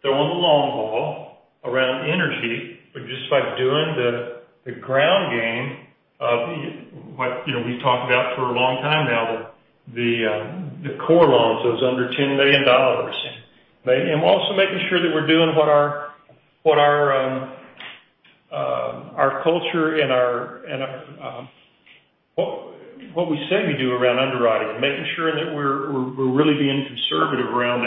throwing the long ball around energy, but just by doing the ground game. What we've talked about for a long time now, the core loans, those under $10 million. Also making sure that we're doing what our culture and what we say we do around underwriting. Making sure that we're really being conservative around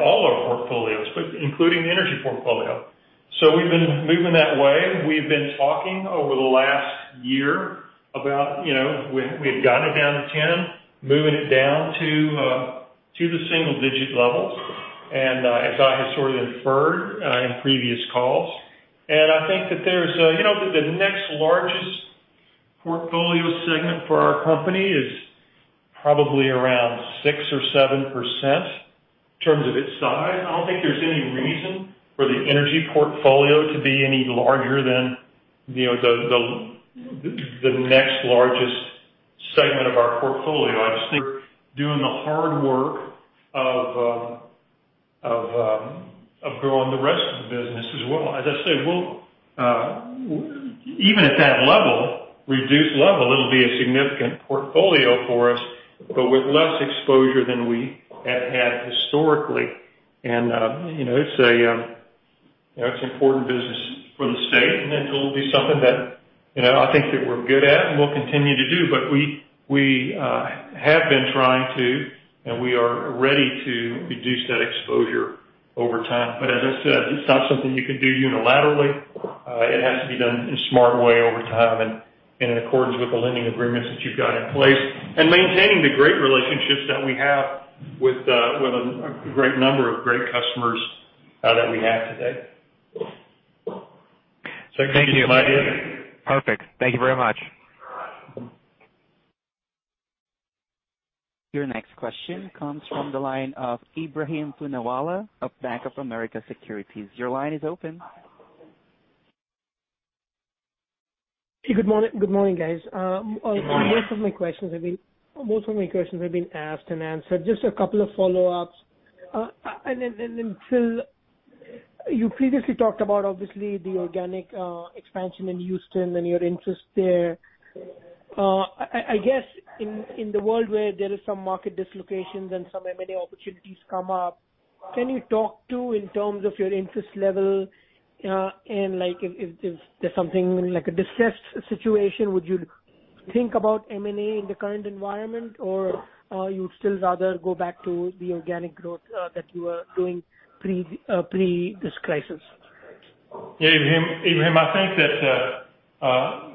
all our portfolios, including the energy portfolio. We've been moving that way. We've been talking over the last year about, we had gotten it down to 10, moving it down to the single-digit levels. As I had sort of inferred in previous calls, I think that the next largest portfolio segment for our company is probably around 6% or 7%, in terms of its size. I don't think there's any reason for the energy portfolio to be any larger than the next largest segment of our portfolio. I just think doing the hard work of growing the rest of the business as well. As I said, even at that reduced level, it'll be a significant portfolio for us, but with less exposure than we have had historically. It's an important business for the state, and it'll be something that I think that we're good at and will continue to do. We have been trying to, and we are ready to reduce that exposure over time. As I said, it's not something you can do unilaterally. It has to be done in a smart way over time and in accordance with the lending agreements that you've got in place. Maintaining the great relationships that we have with a great number of great customers that we have today. Thank you. I think that's my view. Perfect. Thank you very much. Your next question comes from the line of Ebrahim Poonawala of Bank of America Securities. Your line is open. Good morning, guys. Good morning. Most of my questions have been asked and answered. Just a couple of follow-ups. Phil, you previously talked about, obviously, the organic expansion in Houston and your interest there. I guess in the world where there is some market dislocations and some M&A opportunities come up, can you talk to, in terms of your interest level, and if there's something like a distressed situation, would you think about M&A in the current environment, or you would still rather go back to the organic growth that you were doing pre this crisis? Yeah, Ebrahim, I think that we're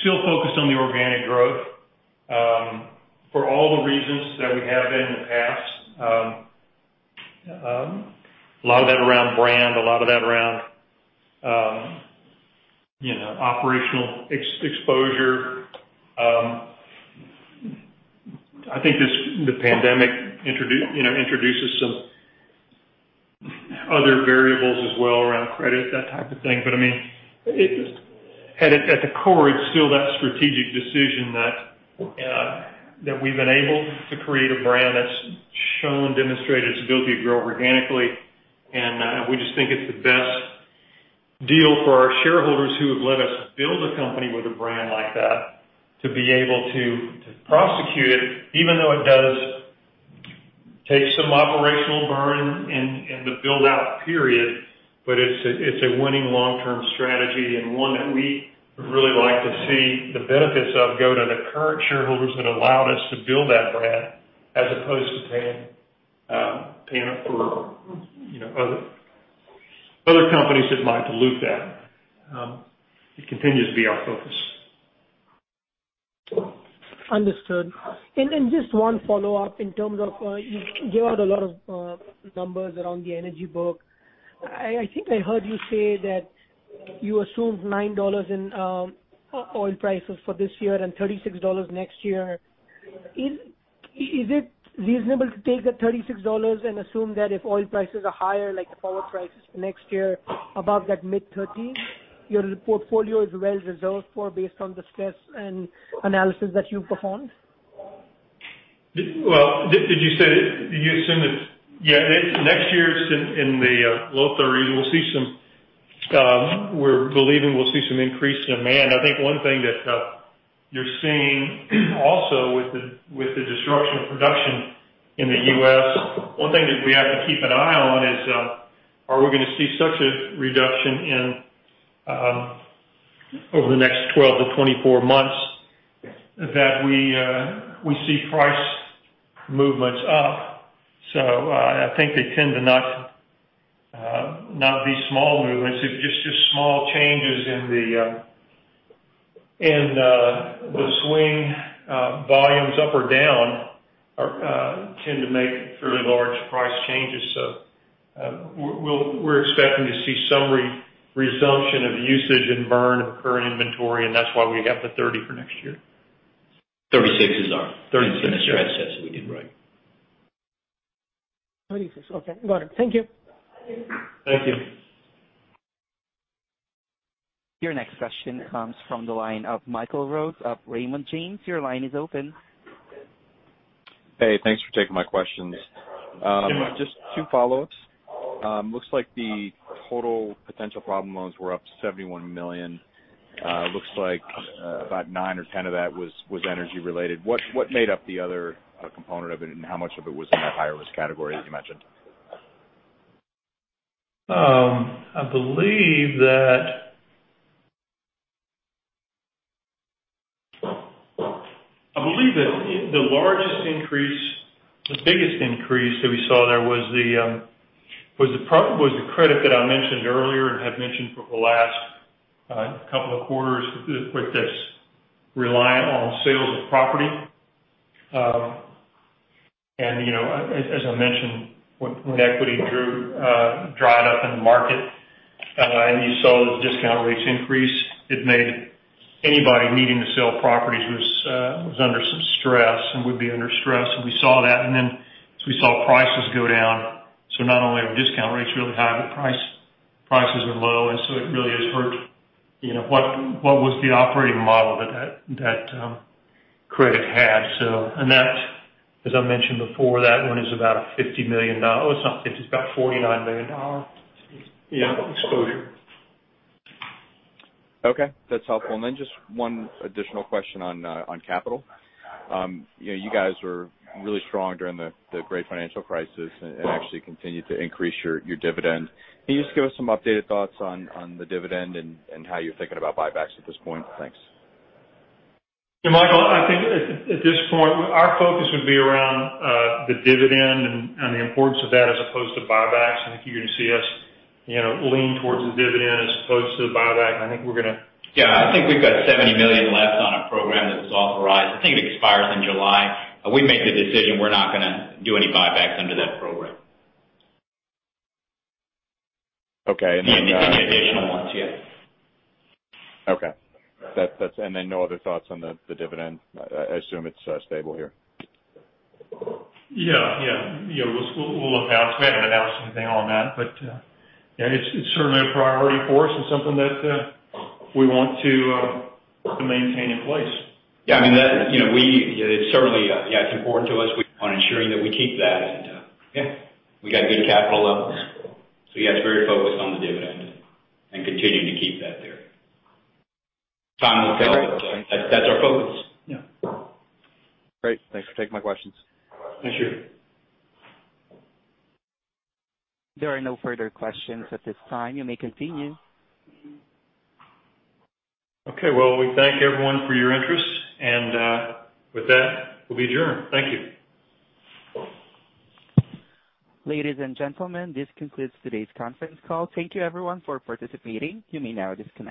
still focused on the organic growth. For all the reasons that we have been in the past. A lot of that around brand, a lot of that around operational exposure. I think the pandemic introduces some other variables as well around credit, that type of thing. At the core, it's still that strategic decision that we've been able to create a brand that's shown, demonstrated its ability to grow organically, and we just think it's the best deal for our shareholders who have let us build a company with a brand like that to be able to prosecute it, even though it does take some operational burn in the build-out period. It's a winning long-term strategy, and one that we would really like to see the benefits of go to the current shareholders that allowed us to build that brand, as opposed to paying it for other companies that might dilute that. It continues to be our focus. Understood. Just one follow-up in terms of, you gave out a lot of numbers around the energy book. I think I heard you say that you assumed $9 in oil prices for this year and $36 next year. Is it reasonable to take that $36 and assume that if oil prices are higher, like the forward prices for next year above that mid 30, your portfolio is well reserved for based on the stress and analysis that you've performed? Well, did you say that you assume that, yeah, next year it's in the low 30s. We're believing we'll see some increase in demand. I think one thing that you're seeing also with the disruption of production in the U.S., one thing that we have to keep an eye on is, are we going to see such a reduction over the next 12-24 months that we see price movements up? I think they tend to not be small movements. If just small changes in the swing volumes up or down, tend to make fairly large price changes. We're expecting to see some resumption of usage and burn of current inventory, and that's why we have the 30 for next year. 36 is our stress test we did right. 36. Okay. Got it. Thank you. Thank you. Your next question comes from the line of Michael Rose of Raymond James. Your line is open. Hey, thanks for taking my questions. Just two follow-ups. Looks like the total potential problem loans were up to $71 million. Looks like about $9 million-$10 million of that was energy related. What made up the other component of it, and how much of it was in that higher risk category, as you mentioned? I believe that the largest increase, the biggest increase that we saw there was the credit that I mentioned earlier and have mentioned for the last couple of quarters with this reliant on sales of property. As I mentioned, when equity dried up in the market, you saw those discount rates increase, it made anybody needing to sell properties was under some stress and would be under stress. We saw that, as we saw prices go down. Not only are discount rates really high, prices are low, it really has hurt what was the operating model that credit had. As I mentioned before, that one is about $50 million. It's not $50, it's about $49 million exposure. Okay, that's helpful. Just one additional question on capital. You guys were really strong during the Great Financial Crisis and actually continued to increase your dividend. Can you just give us some updated thoughts on the dividend and how you're thinking about buybacks at this point? Thanks. Yeah, Michael, I think at this point, our focus would be around the dividend and the importance of that as opposed to buybacks. I think you're going to see us lean towards the dividend as opposed to the buyback. Yeah, I think we've got $70 million left on a program that was authorized. I think it expires in July. We've made the decision we're not going to do any buybacks under that program. Okay. Any additional ones, yeah. Okay. No other thoughts on the dividend? I assume it's stable here. Yeah. We'll announce. We haven't announced anything on that, but yeah, it's certainly a priority for us and something that we want to maintain in place. It's important to us. We plan on ensuring that we keep that, and we got good capital levels. It's very focused on the dividend and continuing to keep that there. Time will tell, but that's our focus. Yeah. Great. Thanks for taking my questions. Thank you. There are no further questions at this time. You may continue. Okay. Well, we thank everyone for your interest, and with that, we'll be adjourned. Thank you. Ladies and gentlemen, this concludes today's conference call. Thank you everyone for participating. You may now disconnect.